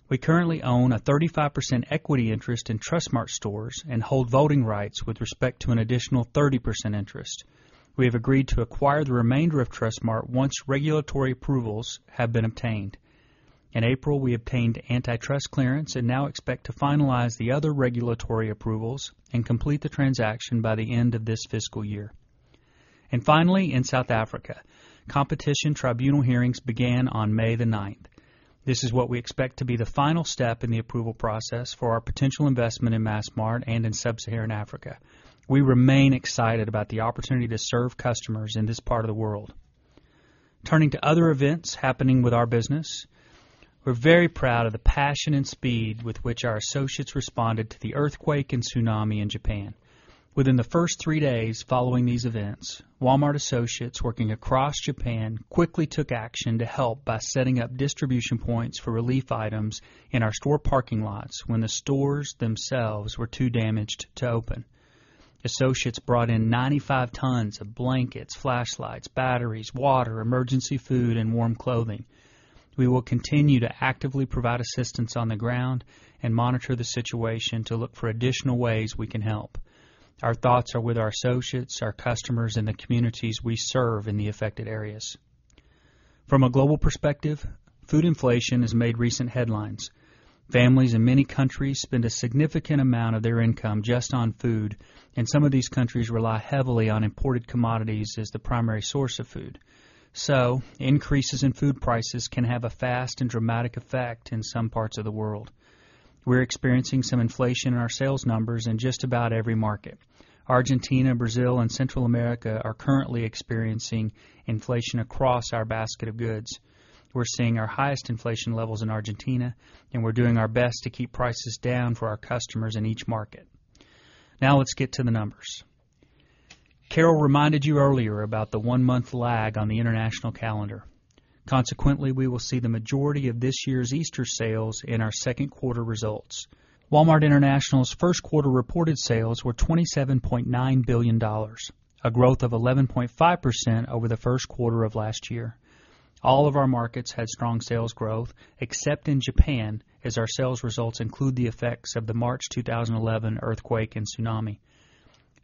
We currently own a 35% equity interest in Trustmart stores and hold voting rights with respect to an additional 30% interest. We have agreed to acquire the remainder of Trustmart once regulatory approvals have been obtained. In April, we obtained antitrust clearance and now expect to finalize the other regulatory approvals and complete the transaction by the end of this fiscal year. Finally, in South Africa, competition tribunal hearings began on May 9. This is what we expect to be the final step in the approval process for our potential investment in Massmart and in sub-Saharan Africa. We remain excited about the opportunity to serve customers in this part of the world. Turning to other events happening with our business, we're very proud of the passion and speed with which our associates responded to the earthquake and tsunami in Japan. Within the first three days following these events, Walmart associates working across Japan quickly took action to help by setting up distribution points for relief items in our store parking lots when the stores themselves were too damaged to open. Associates brought in 95 tons of blankets, flashlights, batteries, water, emergency food, and warm clothing. We will continue to actively provide assistance on the ground and monitor the situation to look for additional ways we can help. Our thoughts are with our associates, our customers, and the communities we serve in the affected areas. From a global perspective, food inflation has made recent headlines. Families in many countries spend a significant amount of their income just on food, and some of these countries rely heavily on imported commodities as the primary source of food. Increases in food prices can have a fast and dramatic effect in some parts of the world. We're experiencing some inflation in our sales numbers in just about every market. Argentina, Brazil, and Central America are currently experiencing inflation across our basket of goods. We're seeing our highest inflation levels in Argentina, and we're doing our best to keep prices down for our customers in each market. Now, let's get to the numbers. Carol reminded you earlier about the one-month lag on the international calendar. Consequently, we will see the majority of this year's Easter sales in our second quarter results. Walmart International's first quarter reported sales were $27.9 billion, a growth of 11.5% over the first quarter of last year. All of our markets had strong sales growth except in Japan, as our sales results include the effects of the March 2011 earthquake and tsunami.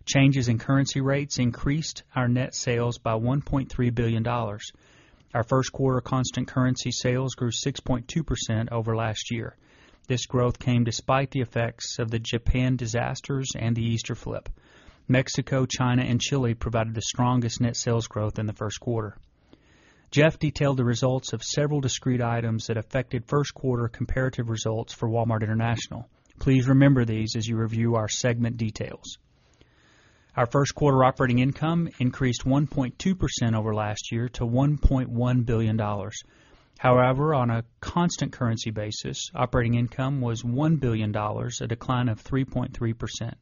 Changes in currency rates increased our net sales by $1.3 billion. Our first quarter constant currency sales grew 6.2% over last year. This growth came despite the effects of the Japan disasters and the Easter flip. Mexico, China, and Chile provided the strongest net sales growth in the first quarter. Jeff detailed the results of several discrete items that affected first quarter comparative results for Walmart International. Please remember these as you review our segment details. Our first quarter operating income increased 1.2% over last year to $1.1 billion. However, on a constant currency basis, operating income was $1 billion, a decline of 3.3%.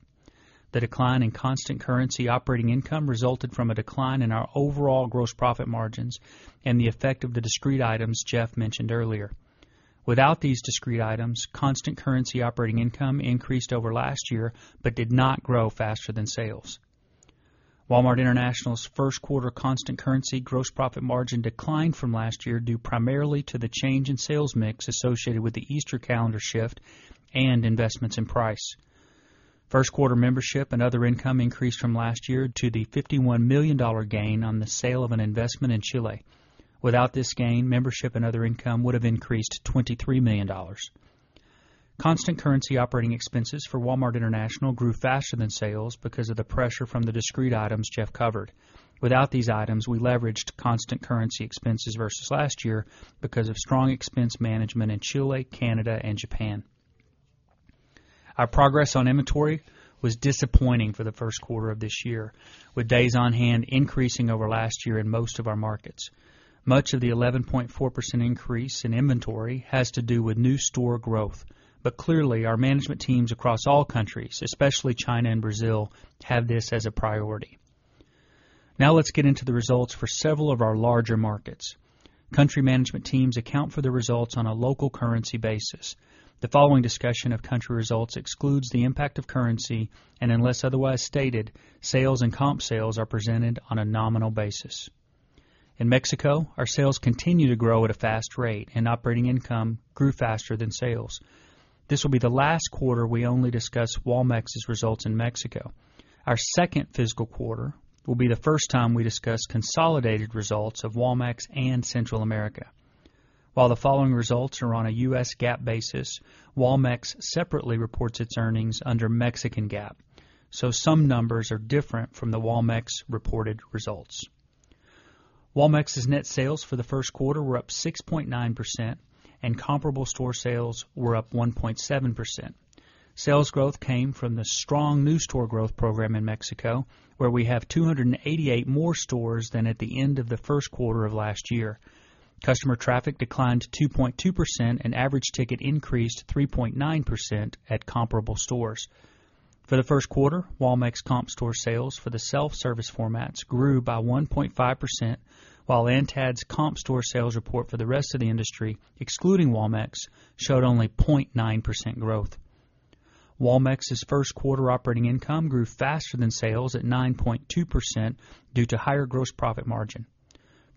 The decline in constant currency operating income resulted from a decline in our overall gross profit margins and the effect of the discrete items Jeff mentioned earlier. Without these discrete items, constant currency operating income increased over last year but did not grow faster than sales. Walmart International's first quarter constant currency gross profit margin declined from last year due primarily to the change in sales mix associated with the Easter calendar shift and investments in price. First quarter membership and other income increased from last year to the $51 million gain on the sale of an investment in Chile. Without this gain, membership and other income would have increased $23 million. Constant currency operating expenses for Walmart International grew faster than sales because of the pressure from the discrete items Jeff covered. Without these items, we leveraged constant currency expenses versus last year because of strong expense management in Chile, Canada, and Japan. Our progress on inventory was disappointing for the first quarter of this year, with days on hand increasing over last year in most of our markets. Much of the 11.4% increase in inventory has to do with new store growth, but clearly, our management teams across all countries, especially China and Brazil, have this as a priority. Now, let's get into the results for several of our larger markets. Country management teams account for the results on a local currency basis. The following discussion of country results excludes the impact of currency and, unless otherwise stated, sales and comp sales are presented on a nominal basis. In Mexico, our sales continue to grow at a fast rate, and operating income grew faster than sales. This will be the last quarter we only discuss Walmart's results in Mexico. Our second fiscal quarter will be the first time we discuss consolidated results of Walmart and Central America. While the following results are on a U.S. GAAP basis, Walmart separately reports its earnings under Mexican GAAP, so some numbers are different from the Walmart reported results. Walmart's net sales for the first quarter were up 6.9%, and comparable store sales were up 1.7%. Sales growth came from the strong new store growth program in Mexico, where we have 288 more stores than at the end of the first quarter of last year. Customer traffic declined 2.2%, and average ticket increased 3.9% at comparable stores. For the first quarter, Walmart's comp store sales for the self-service formats grew by 1.5%, while ANTAD's comp store sales report for the rest of the industry, excluding Walmart, showed only 0.9% growth. Walmart's first quarter operating income grew faster than sales at 9.2% due to higher gross profit margin.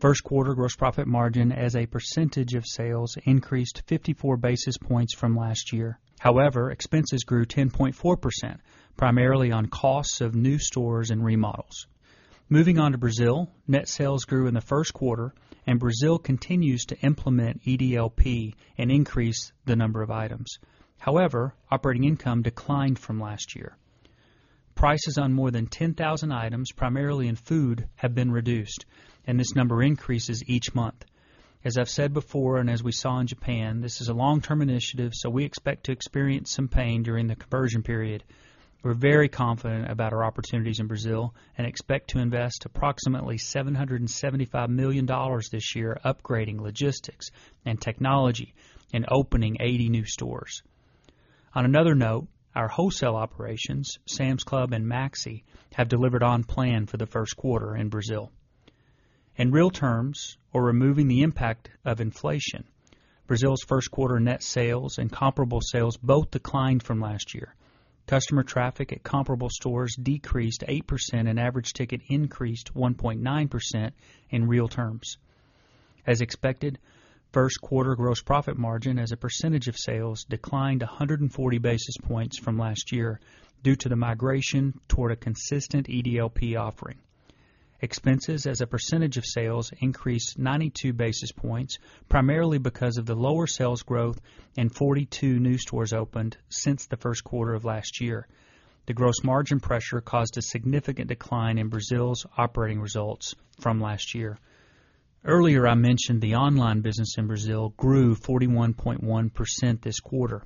First quarter gross profit margin as a percentage of sales increased 54 basis points from last year. However, expenses grew 10.4%, primarily on costs of new stores and remodels. Moving on to Brazil, net sales grew in the first quarter, and Brazil continues to implement EDLP and increase the number of items. However, operating income declined from last year. Prices on more than 10,000 items, primarily in food, have been reduced, and this number increases each month. As I've said before, and as we saw in Japan, this is a long-term initiative, so we expect to experience some pain during the conversion period. We're very confident about our opportunities in Brazil and expect to invest approximately $775 million this year upgrading logistics and technology and opening 80 new stores. On another note, our wholesale operations, Sam's Club and Maxi, have delivered on plan for the first quarter in Brazil. In real terms, we're removing the impact of inflation. Brazil's first quarter net sales and comparable sales both declined from last year. Customer traffic at comparable stores decreased 8% and average ticket increased 1.9% in real terms. As expected, first quarter gross profit margin as a percentage of sales declined 140 basis points from last year due to the migration toward a consistent EDLP offering. Expenses as a percentage of sales increased 92 basis points, primarily because of the lower sales growth and 42 new stores opened since the first quarter of last year. The gross margin pressure caused a significant decline in Brazil's operating results from last year. Earlier, I mentioned the online business in Brazil grew 41.1% this quarter.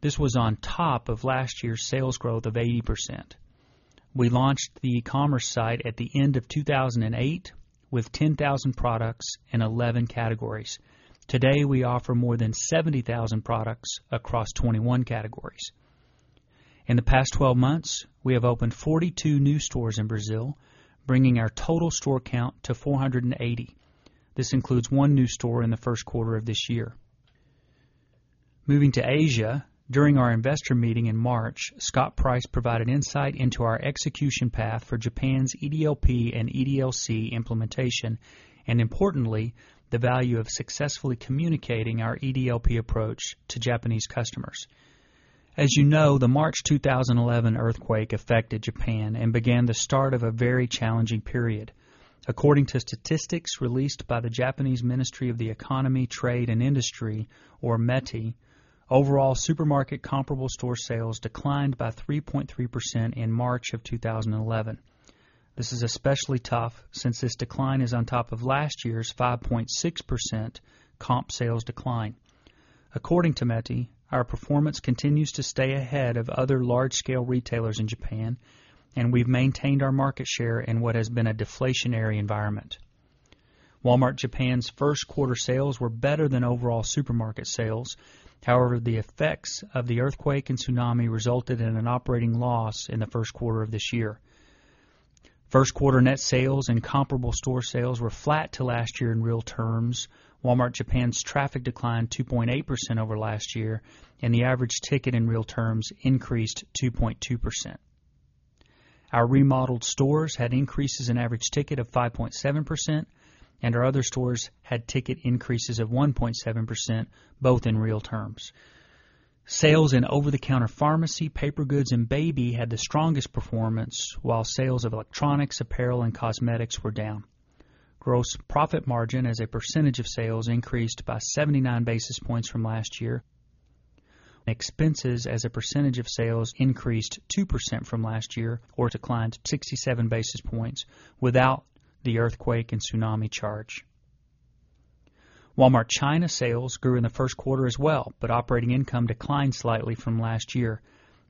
This was on top of last year's sales growth of 80%. We launched the e-commerce site at the end of 2008 with 10,000 products in 11 categories. Today, we offer more than 70,000 products across 21 categories. In the past 12 months, we have opened 42 new stores in Brazil, bringing our total store count to 480. This includes one new store in the first quarter of this year. Moving to Asia, during our investor meeting in March, Scott Price provided insight into our execution path for Japan's EDLP and EDLC implementation, and importantly, the value of successfully communicating our EDLP approach to Japanese customers. As you know, the March 2011 earthquake affected Japan and began the start of a very challenging period. According to statistics released by the Japanese Ministry of the Economy, Trade, and Industry, or METI, overall supermarket comparable store sales declined by 3.3% in March of 2011. This is especially tough since this decline is on top of last year's 5.6% comp sales decline. According to METI, our performance continues to stay ahead of other large-scale retailers in Japan, and we've maintained our market share in what has been a deflationary environment. Walmart Japan's first quarter sales were better than overall supermarket sales. However, the effects of the earthquake and tsunami resulted in an operating loss in the first quarter of this year. First quarter net sales and comparable store sales were flat to last year in real terms. Walmart Japan's traffic declined 2.8% over last year, and the average ticket in real terms increased 2.2%. Our remodeled stores had increases in average ticket of 5.7%, and our other stores had ticket increases of 1.7%, both in real terms. Sales in over-the-counter pharmacy, paper goods, and baby had the strongest performance, while sales of electronics, apparel, and cosmetics were down. Gross profit margin as a percentage of sales increased by 79 basis points from last year. Expenses as a percentage of sales increased 2% from last year or declined 67 basis points without the earthquake and tsunami charge. Walmart China sales grew in the first quarter as well, but operating income declined slightly from last year.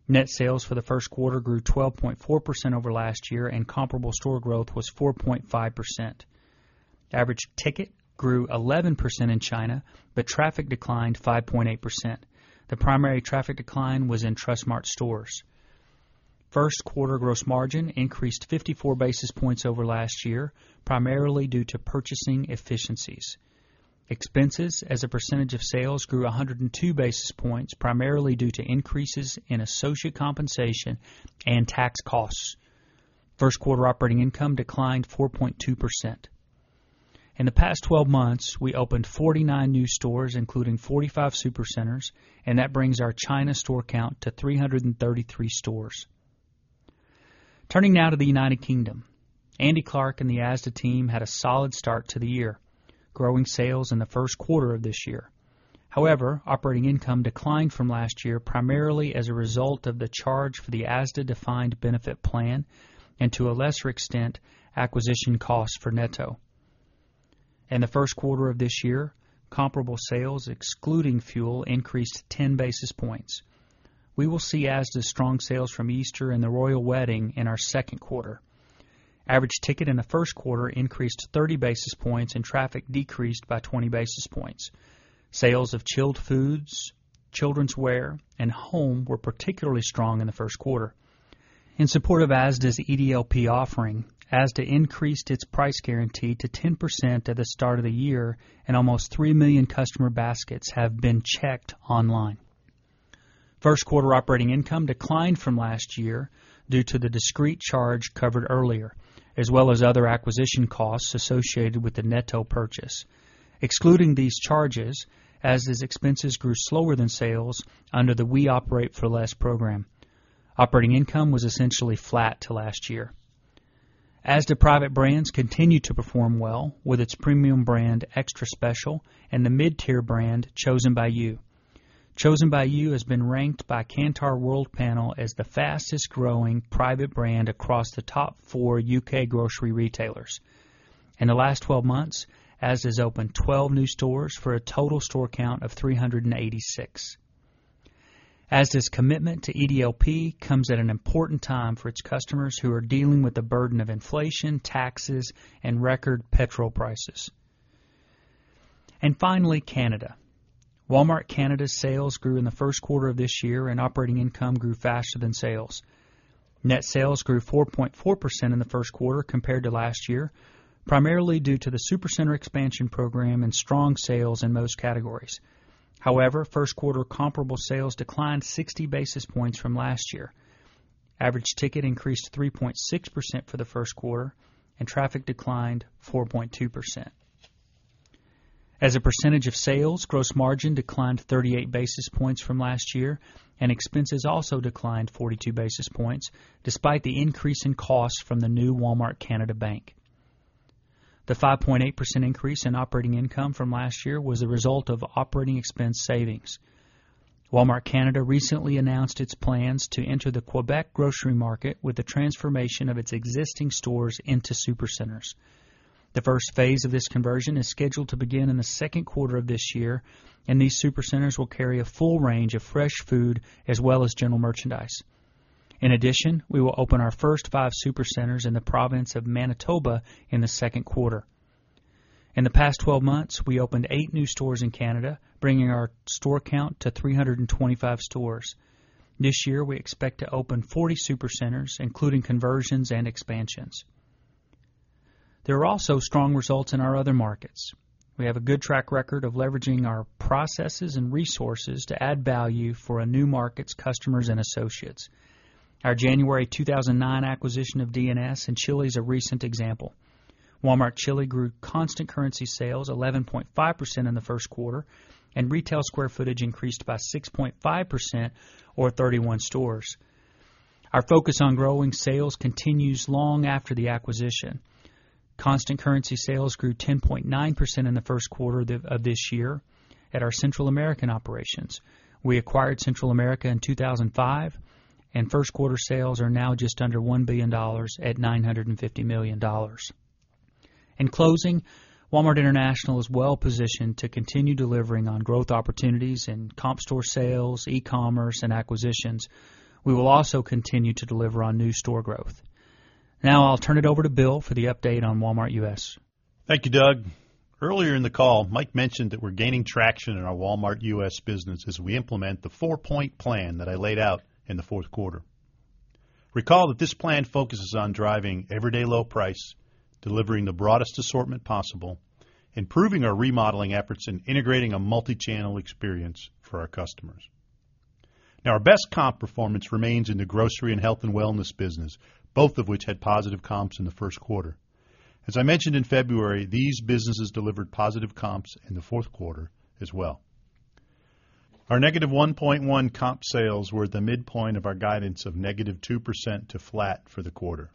Net sales for the first quarter grew 12.4% over last year, and comparable store growth was 4.5%. Average ticket grew 11% in China, but traffic declined 5.8%. The primary traffic decline was in Trust Mart stores. First quarter gross margin increased 54 basis points over last year, primarily due to purchasing efficiencies. Expenses as a percentage of sales grew 102 basis points, primarily due to increases in associate compensation and tax costs. First quarter operating income declined 4.2%. In the past 12 months, we opened 49 new stores, including 45 supercenters, and that brings our China store count to 333 stores. Turning now to the United Kingdom, Andy Clarke and the ASDA team had a solid start to the year, growing sales in the first quarter of this year. However, operating income declined from last year, primarily as a result of the charge for the ASDA-defined benefit plan and, to a lesser extent, acquisition costs for Netto. In the first quarter of this year, comparable sales excluding fuel increased 10 basis points. We will see ASDA's strong sales from Easter and the royal wedding in our second quarter. Average ticket in the first quarter increased 30 basis points, and traffic decreased by 20 basis points. Sales of chilled foods, children's wear, and home were particularly strong in the first quarter. In support of ASDA's EDLP offering, ASDA increased its price guarantee to 10% at the start of the year, and almost 3 million customer baskets have been checked online. First quarter operating income declined from last year due to the discrete charge covered earlier, as well as other acquisition costs associated with the Netto purchase. Excluding these charges, ASDA's expenses grew slower than sales under the We Operate for Less program. Operating income was essentially flat to last year. ASDA private brands continue to perform well with its premium brand Extra Special and the mid-tier brand Chosen By You. Chosen By You has been ranked by Kantar Worldpanel as the fastest growing private brand across the top four UK grocery retailers. In the last 12 months, Asda's opened 12 new stores for a total store count of 386. ASDA's commitment to EDLP comes at an important time for its customers who are dealing with the burden of inflation, taxes, and record petrol prices. Finally, Canada. Walmart Canada's sales grew in the first quarter of this year, and operating income grew faster than sales. Net sales grew 4.4% in the first quarter compared to last year, primarily due to the supercenters expansion program and strong sales in most categories. However, first quarter comparable sales declined 60 basis points from last year. Average ticket increased 3.6% for the first quarter, and traffic declined 4.2%. As a percentage of sales, gross margin declined 38 basis points from last year, and expenses also declined 42 basis points despite the increase in costs from the new Walmart Canada bank. The 5.8% increase in operating income from last year was a result of operating expense savings. Walmart Canada recently announced its plans to enter the Quebec grocery market with the transformation of its existing stores into supercenters. The first phase of this conversion is scheduled to begin in the second quarter of this year, and these supercenters will carry a full range of fresh food as well as general merchandise. In addition, we will open our first five supercenters in the province of Manitoba in the second quarter. In the past 12 months, we opened eight new stores in Canada, bringing our store count to 325 stores. This year, we expect to open 40 supercenters, including conversions and expansions. There are also strong results in our other markets. We have a good track record of leveraging our processes and resources to add value for a new market's customers and associates. Our January 2009 acquisition of D&S in Chile is a recent example. Walmart Chile grew constant currency sales 11.5% in the first quarter, and retail square footage increased by 6.5% or 31 stores. Our focus on growing sales continues long after the acquisition. Constant currency sales grew 10.9% in the first quarter of this year at our Central American operations. We acquired Central America in 2005, and first quarter sales are now just under $1 billion at $950 million. In closing, Walmart International is well positioned to continue delivering on growth opportunities in comp store sales, e-commerce, and acquisitions. We will also continue to deliver on new store growth. Now, I'll turn it over to Bill for the update on Walmart U.S. Thank you, Doug. Earlier in the call, Mike mentioned that we're gaining traction in our Walmart U.S. business as we implement the four-point plan that I laid out in the fourth quarter. Recall that this plan focuses on driving everyday low price, delivering the broadest assortment possible, improving our remodeling efforts, and integrating a multi-channel experience for our customers. Now, our best comp performance remains in the grocery and health and wellness business, both of which had positive comps in the first quarter. As I mentioned in February, these businesses delivered positive comps in the fourth quarter as well. Our -1.1% comp sales were at the midpoint of our guidance of -2% to flat for the quarter.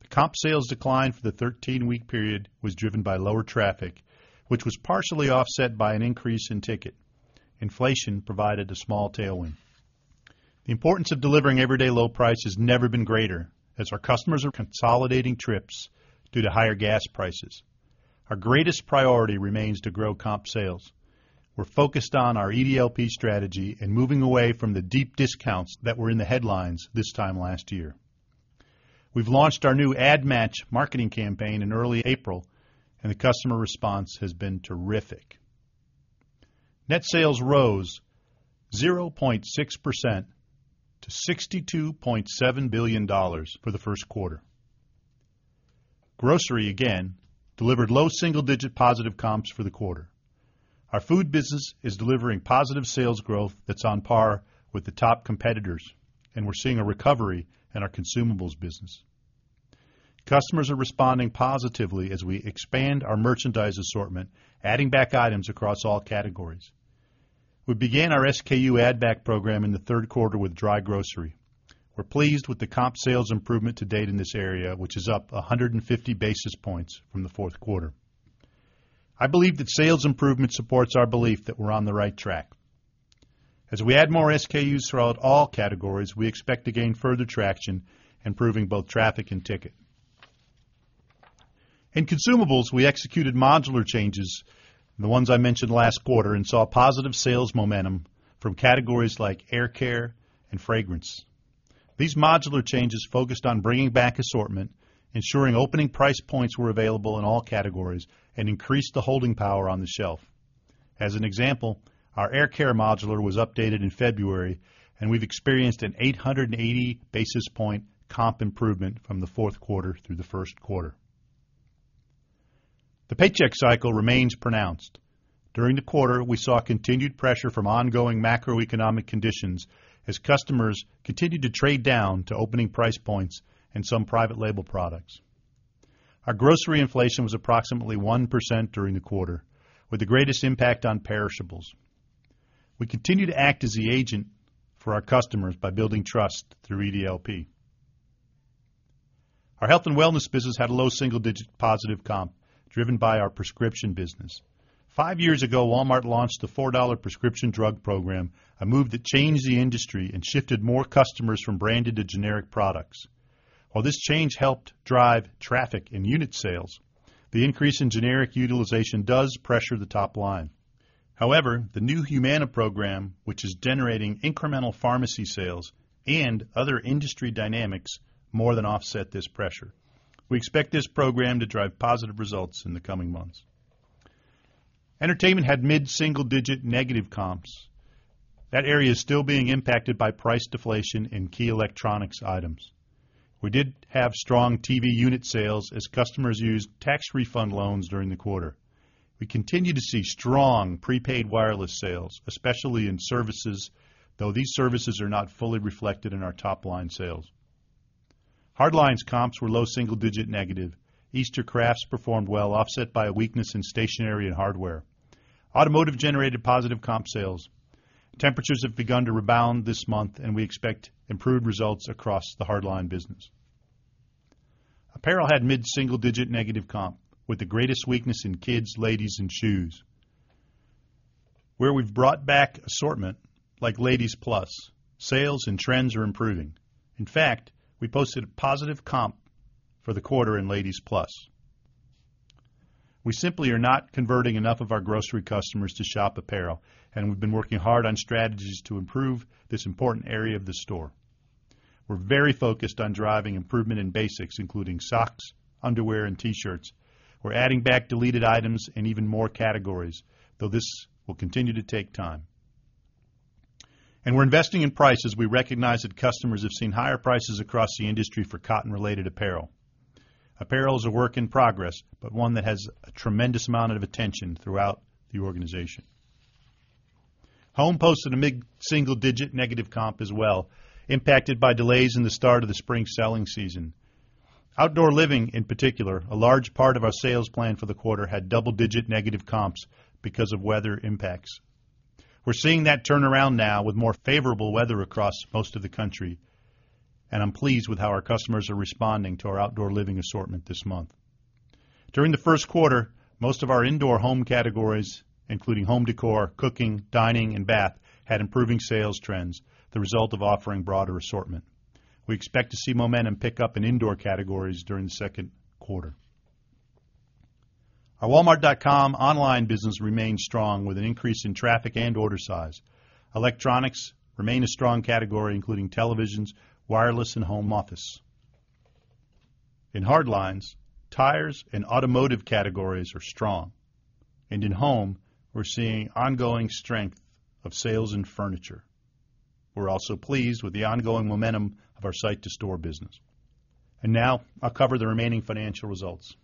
The comp sales decline for the 13-week period was driven by lower traffic, which was partially offset by an increase in ticket. Inflation provided a small tailwind. The importance of delivering everyday low price has never been greater as our customers are consolidating trips due to higher gas prices. Our greatest priority remains to grow comp sales. We're focused on our EDLP strategy and moving away from the deep discounts that were in the headlines this time last year. We've launched our new Ad Match marketing campaign in early April, and the customer response has been terrific. Net sales rose 0.6% to $62.7 billion for the first quarter. Grocery, again, delivered low single-digit positive comps for the quarter. Our food business is delivering positive sales growth that's on par with the top competitors, and we're seeing a recovery in our consumables business. Customers are responding positively as we expand our merchandise assortment, adding back items across all categories. We began our SKU add-back program in the third quarter with dry grocery. We're pleased with the comp sales improvement to date in this area, which is up 150 basis points from the fourth quarter. I believe that sales improvement supports our belief that we're on the right track. As we add more SKUs throughout all categories, we expect to gain further traction, improving both traffic and ticket. In consumables, we executed modular changes, the ones I mentioned last quarter, and saw positive sales momentum from categories like hair care and fragrance. These modular changes focused on bringing back assortment, ensuring opening price points were available in all categories, and increased the holding power on the shelf. As an example, our hair care modular was updated in February, and we've experienced an 880 basis point comp improvement from the fourth quarter through the first quarter. The paycheck cycle remains pronounced. During the quarter, we saw continued pressure from ongoing macroeconomic conditions as customers continued to trade down to opening price points and some private label products. Our grocery inflation was approximately 1% during the quarter, with the greatest impact on perishables. We continue to act as the agent for our customers by building trust through EDLP. Our health and wellness business had a low single-digit positive comp, driven by our prescription business. Five years ago, Walmart launched the $4 prescription drug program, a move that changed the industry and shifted more customers from branded to generic products. While this change helped drive traffic and unit sales, the increase in generic utilization does pressure the top line. However, the new Humana program, which is generating incremental pharmacy sales and other industry dynamics, more than offset this pressure. We expect this program to drive positive results in the coming months. Entertainment had mid-single-digit negative comps. That area is still being impacted by price deflation in key electronics items. We did have strong TV unit sales as customers used tax refund loans during the quarter. We continue to see strong prepaid wireless sales, especially in services, though these services are not fully reflected in our top line sales. Hard lines comps were low single-digit negative. Easter crafts performed well, offset by a weakness in stationery and hardware. Automotive generated positive comp sales. Temperatures have begun to rebound this month, and we expect improved results across the hard line business. Apparel had mid-single-digit negative comp, with the greatest weakness in kids, ladies, and shoes. Where we've brought back assortment, like Ladies Plus, sales and trends are improving. In fact, we posted a positive comp for the quarter in Ladies Plus. We simply are not converting enough of our grocery customers to shop apparel, and we've been working hard on strategies to improve this important area of the store. We're very focused on driving improvement in basics, including socks, underwear, and T-shirts. We're adding back deleted items and even more categories, though this will continue to take time. We're investing in price as we recognize that customers have seen higher prices across the industry for cotton-related apparel. Apparel is a work in progress, but one that has a tremendous amount of attention throughout the organization. Home posted a mid-single-digit negative comp as well, impacted by delays in the start of the spring selling season. Outdoor living, in particular, a large part of our sales plan for the quarter, had double-digit negative comps because of weather impacts. We're seeing that turn around now with more favorable weather across most of the country, and I'm pleased with how our customers are responding to our outdoor living assortment this month. During the first quarter, most of our indoor home categories, including home decor, cooking, dining, and bath, had improving sales trends, the result of offering broader assortment. We expect to see momentum pick up in indoor categories during the second quarter. Our walmart.com online business remains strong with an increase in traffic and order size. Electronics remain a strong category, including televisions, wireless, and home office. In hard lines, tires and automotive categories are strong, and in home, we're seeing ongoing strength of sales in furniture. We're also pleased with the ongoing momentum of our site-to-store business. Now, I'll cover the remaining financial results.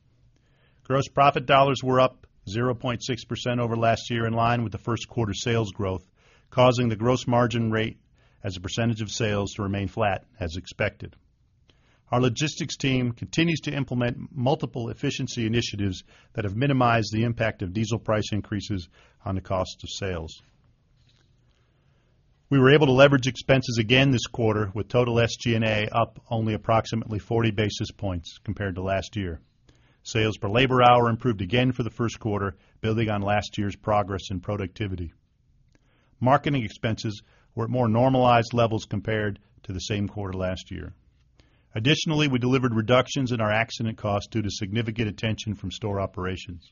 Gross profit dollars were up 0.6% over last year, in line with the first quarter sales growth, causing the gross margin rate as a percentage of sales to remain flat as expected. Our logistics team continues to implement multiple efficiency initiatives that have minimized the impact of diesel price increases on the cost of sales. We were able to leverage expenses again this quarter, with total SG&A up only approximately 40 basis points compared to last year. Sales per labor hour improved again for the first quarter, building on last year's progress in productivity. Marketing expenses were at more normalized levels compared to the same quarter last year. Additionally, we delivered reductions in our accident costs due to significant attention from store operations.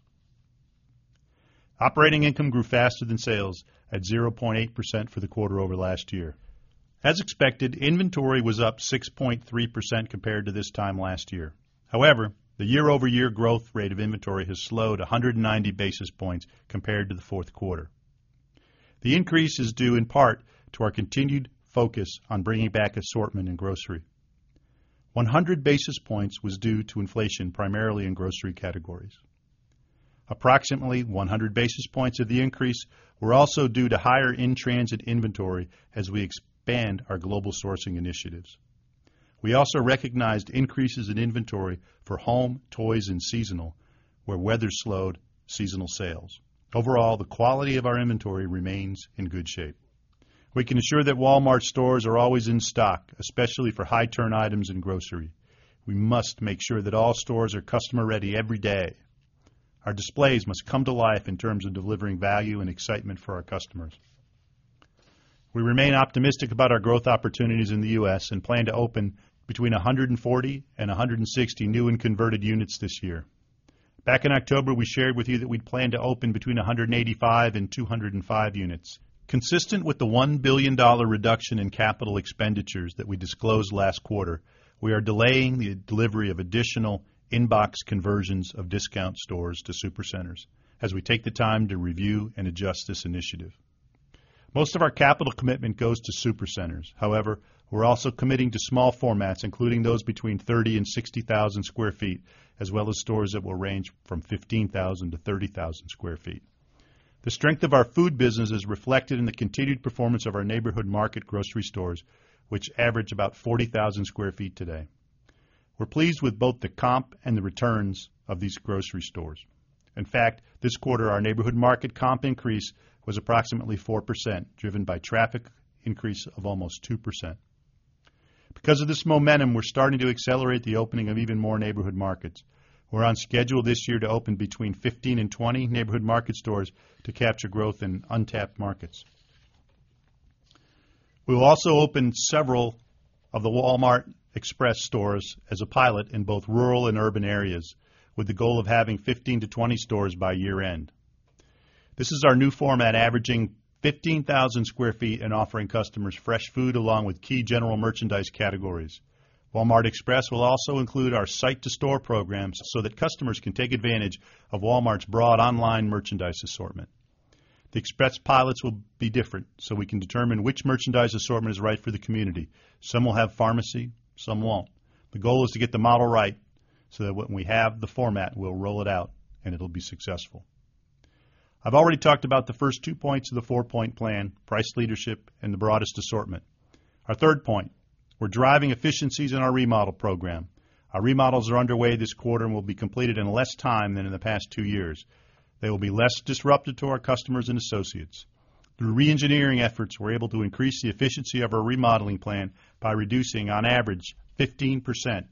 Operating income grew faster than sales at 0.8% for the quarter over last year. As expected, inventory was up 6.3% compared to this time last year. However, the year-over-year growth rate of inventory has slowed 190 basis points compared to the fourth quarter. The increase is due in part to our continued focus. On bringing back assortment in grocery. 100 basis points was due to inflation, primarily in grocery categories. Approximately 100 basis points of the increase were also due to higher in-transit inventory as we expand our global sourcing initiatives. We also recognized increases in inventory for home, toys, and seasonal, where weather slowed seasonal sales. Overall, the quality of our inventory remains in good shape. We can assure that Walmart stores are always in stock, especially for high-turn items in grocery. We must make sure that all stores are customer-ready every day. Our displays must come to life in terms of delivering value and excitement for our customers. We remain optimistic about our growth opportunities in the U.S. and plan to open between 140 and 160 new and converted units this year. Back in October, we shared with you that we plan to open between 185 and 205 units. Consistent with the $1 billion reduction in capital expenditures that we disclosed last quarter, we are delaying the delivery of additional in-box conversions of discount stores to supercenters as we take the time to review and adjust this initiative. Most of our capital commitment goes to supercenters. However, we're also committing to small formats, including those between 30,000 sq ft and 60,000 sq ft, as well as stores that will range from 15,000 sq ft-30,000 sq ft. The strength of our food business is reflected in the continued performance of our Neighborhood Market grocery stores, which average about 40,000 sq ft today. We're pleased with both the comp and the returns of these grocery stores. In fact, this quarter, our Neighborhood Market comp increase was approximately 4%, driven by traffic increase of almost 2%. Because of this momentum, we're starting to accelerate the opening of even more Neighborhood Markets. We're on schedule this year to open between 15 and 20 Neighborhood Market stores to capture growth in untapped markets. We'll also open several of the Walmart Express stores as a pilot in both rural and urban areas, with the goal of having 15-20 stores by year-end. This is our new format, averaging 15,000 sq ft and offering customers fresh food along with key general merchandise categories. Walmart Express will also include our site-to-store programs so that customers can take advantage of Walmart's broad online merchandise assortment. The express pilots will be different so we can determine which merchandise assortment is right for the community. Some will have pharmacy, some won't. The goal is to get the model right so that when we have the format, we'll roll it out and it'll be successful. I've already talked about the first two points of the four-point plan: price leadership and the broadest assortment. Our third point: we're driving efficiencies in our remodel program. Our remodels are underway this quarter and will be completed in less time than in the past two years. They will be less disruptive to our customers and associates. Through re-engineering efforts, we're able to increase the efficiency of our remodeling plan by reducing, on average, 15%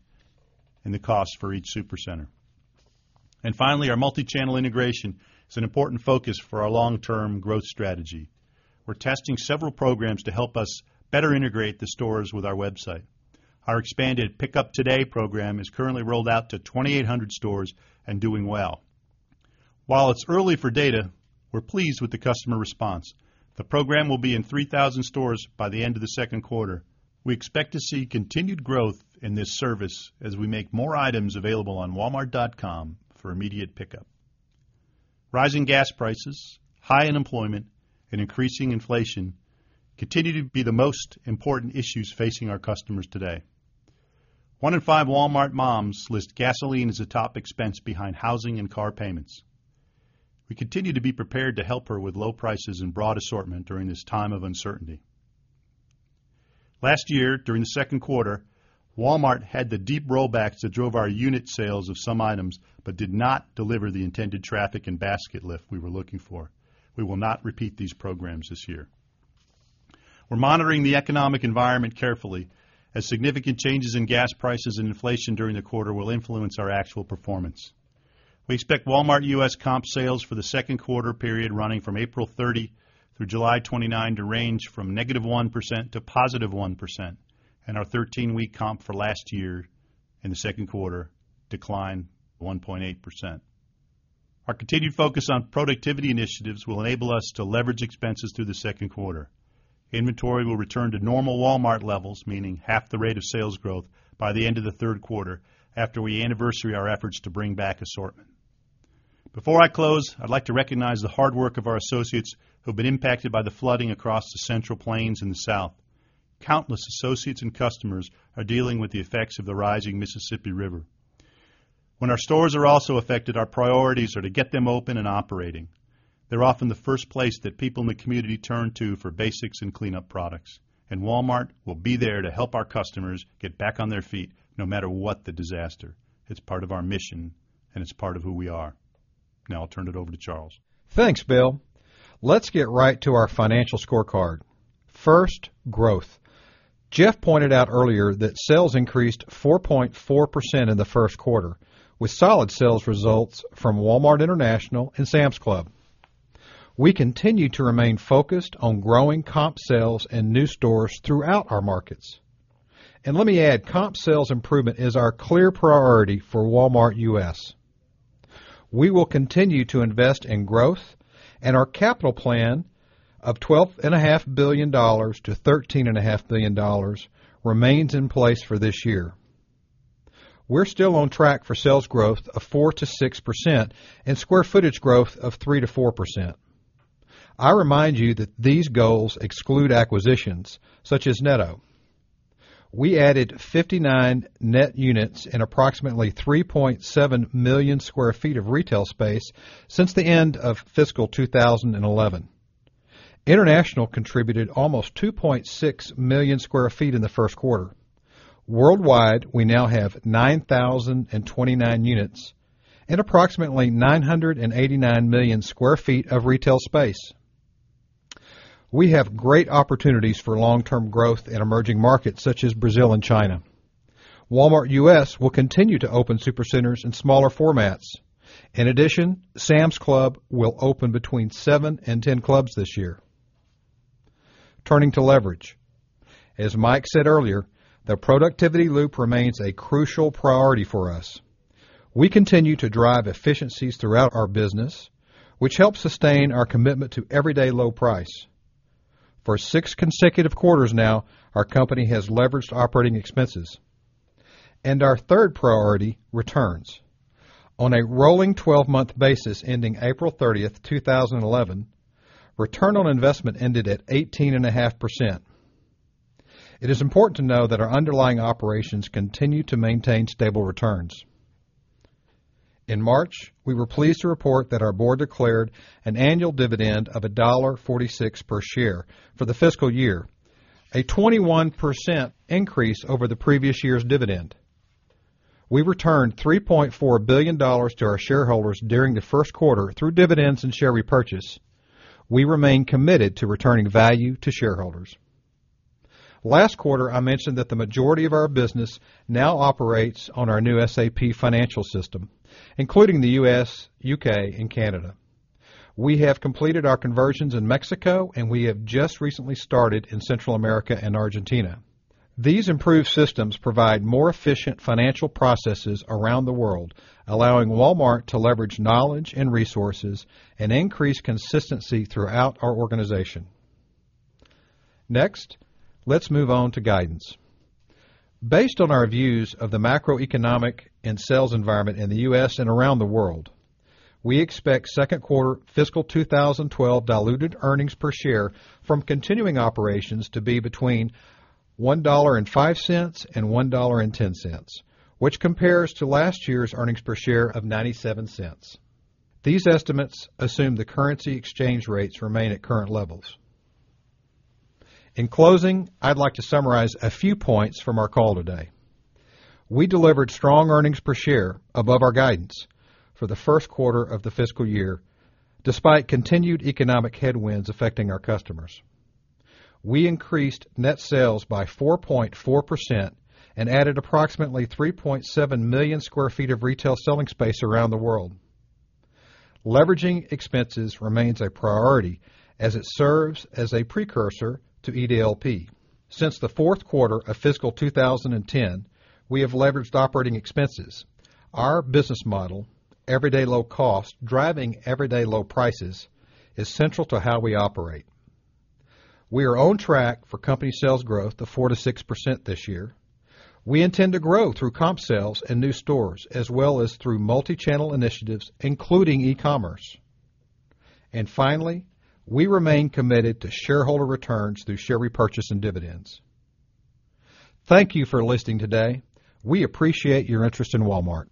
in the cost for each supercenter. Finally, our multi-channel integration is an important focus for our long-term growth strategy. We're testing several programs to help us better integrate the stores with our website. Our expanded Pick Up Today program is currently rolled out to 2,800 stores and doing well. While it's early for data, we're pleased with the customer response. The program will be in 3,000 stores by the end of the second quarter. We expect to see continued growth in this service as we make more items available on walmart.com for immediate pickup. Rising gas prices, high unemployment, and increasing inflation continue to be the most important issues facing our customers today. One in five Walmart moms lists gasoline as a top expense behind housing and car payments. We continue to be prepared to help her with low prices and broad assortment during this time of uncertainty. Last year, during the second quarter, Walmart had the deep rollbacks that drove our unit sales of some items but did not deliver the intended traffic and basket lift we were looking for. We will not repeat these programs this year. We're monitoring the economic environment carefully as significant changes in gas prices and inflation during the quarter will influence our actual performance. We expect Walmart U.S. comp sales for the second quarter period running from April 30 through July 29 to range from -1% to +1%, and our 13-week comp for last year in the second quarter declined 1.8%. Our continued focus on productivity initiatives will enable us to leverage expenses through the second quarter. Inventory will return to normal Walmart levels, meaning half the rate of sales growth by the end of the third quarter after we anniversary our efforts to bring back assortment. Before I close, I'd like to recognize the hard work of our associates who've been impacted by the flooding across the Central Plains in the South. Countless associates and customers are dealing with the effects of the rising Mississippi River. When our stores are also affected, our priorities are to get them open and operating. They're often the first place that people in the community turn to for basics and clean-up products, and Walmart will be there to help our customers get back on their feet no matter what the disaster. It's part of our mission, and it's part of who we are. Now I'll turn it over to Charles. Thanks, Bill. Let's get right to our financial scorecard. First, growth. Jeff pointed out earlier that sales increased 4.4% in the first quarter, with solid sales results from Walmart International and Sam's Club. We continue to remain focused on growing comp sales and new stores throughout our markets. Let me add, comp sales improvement is our clear priority for Walmart U.S. We will continue to invest in growth, and our capital plan of $12.5 billion-$13.5 billion remains in place for this year. We're still on track for sales growth of 4%-6% and square footage growth of 3%-4%. I remind you that these goals exclude acquisitions, such as Netto. We added 59 net units and approximately 3.7 million sq ft of retail space since the end of fiscal 2011. International contributed almost 2.6 million sq ft in the first quarter. Worldwide, we now have 9,029 units and approximately 989 million sq ft of retail space. We have great opportunities for long-term growth in emerging markets such as Brazil and China. Walmart U.S. will continue to open supercenters in smaller formats. In addition, Sam's Club will open between 7 and 10 clubs this year. Turning to leverage. As Mike said earlier, the productivity loop remains a crucial priority for us. We continue to drive efficiencies throughout our business, which helps sustain our commitment to everyday low price. For six consecutive quarters now, our company has leveraged operating expenses. Our third priority: returns. On a rolling 12-month basis ending April 30th, 2011, return on investment ended at 18.5%. It is important to know that our underlying operations continue to maintain stable returns. In March, we were pleased to report that our board declared an annual dividend of $1.46 per share for the fiscal year, a 21% increase over the previous year's dividend. We returned $3.4 billion to our shareholders during the first quarter through dividends and share repurchase. We remain committed to returning value to shareholders. Last quarter, I mentioned that the majority of our business now operates on our new SAP financial system, including the U.S., U.K., and Canada. We have completed our conversions in Mexico, and we have just recently started in Central America and Argentina. These improved systems provide more efficient financial processes around the world, allowing Walmart to leverage knowledge and resources and increase consistency throughout our organization. Next, let's move on to guidance. Based on our views of the macroeconomic and sales environment in the U.S. and around the world, we expect second quarter fiscal 2012 diluted earnings per share from continuing operations to be between $1.05 and $1.10, which compares to last year's earnings per share of $0.97. These estimates assume the currency exchange rates remain at current levels. In closing, I'd like to summarize a few points from our call today. We delivered strong earnings per share above our guidance for the first quarter of the fiscal year, despite continued economic headwinds affecting our customers. We increased net sales by 4.4% and added approximately 3.7 million sq ft of retail selling space around the world. Leveraging expenses remains a priority as it serves as a precursor to EDLP. Since the fourth quarter of fiscal 2010, we have leveraged operating expenses. Our business model, everyday low cost driving everyday low prices, is central to how we operate. We are on track for company sales growth of 4%-6% this year. We intend to grow through comp sales and new stores as well as through multi-channel initiatives, including e-commerce. Finally, we remain committed to shareholder returns through share repurchase and dividends. Thank you for listening today. We appreciate your interest in Walmart.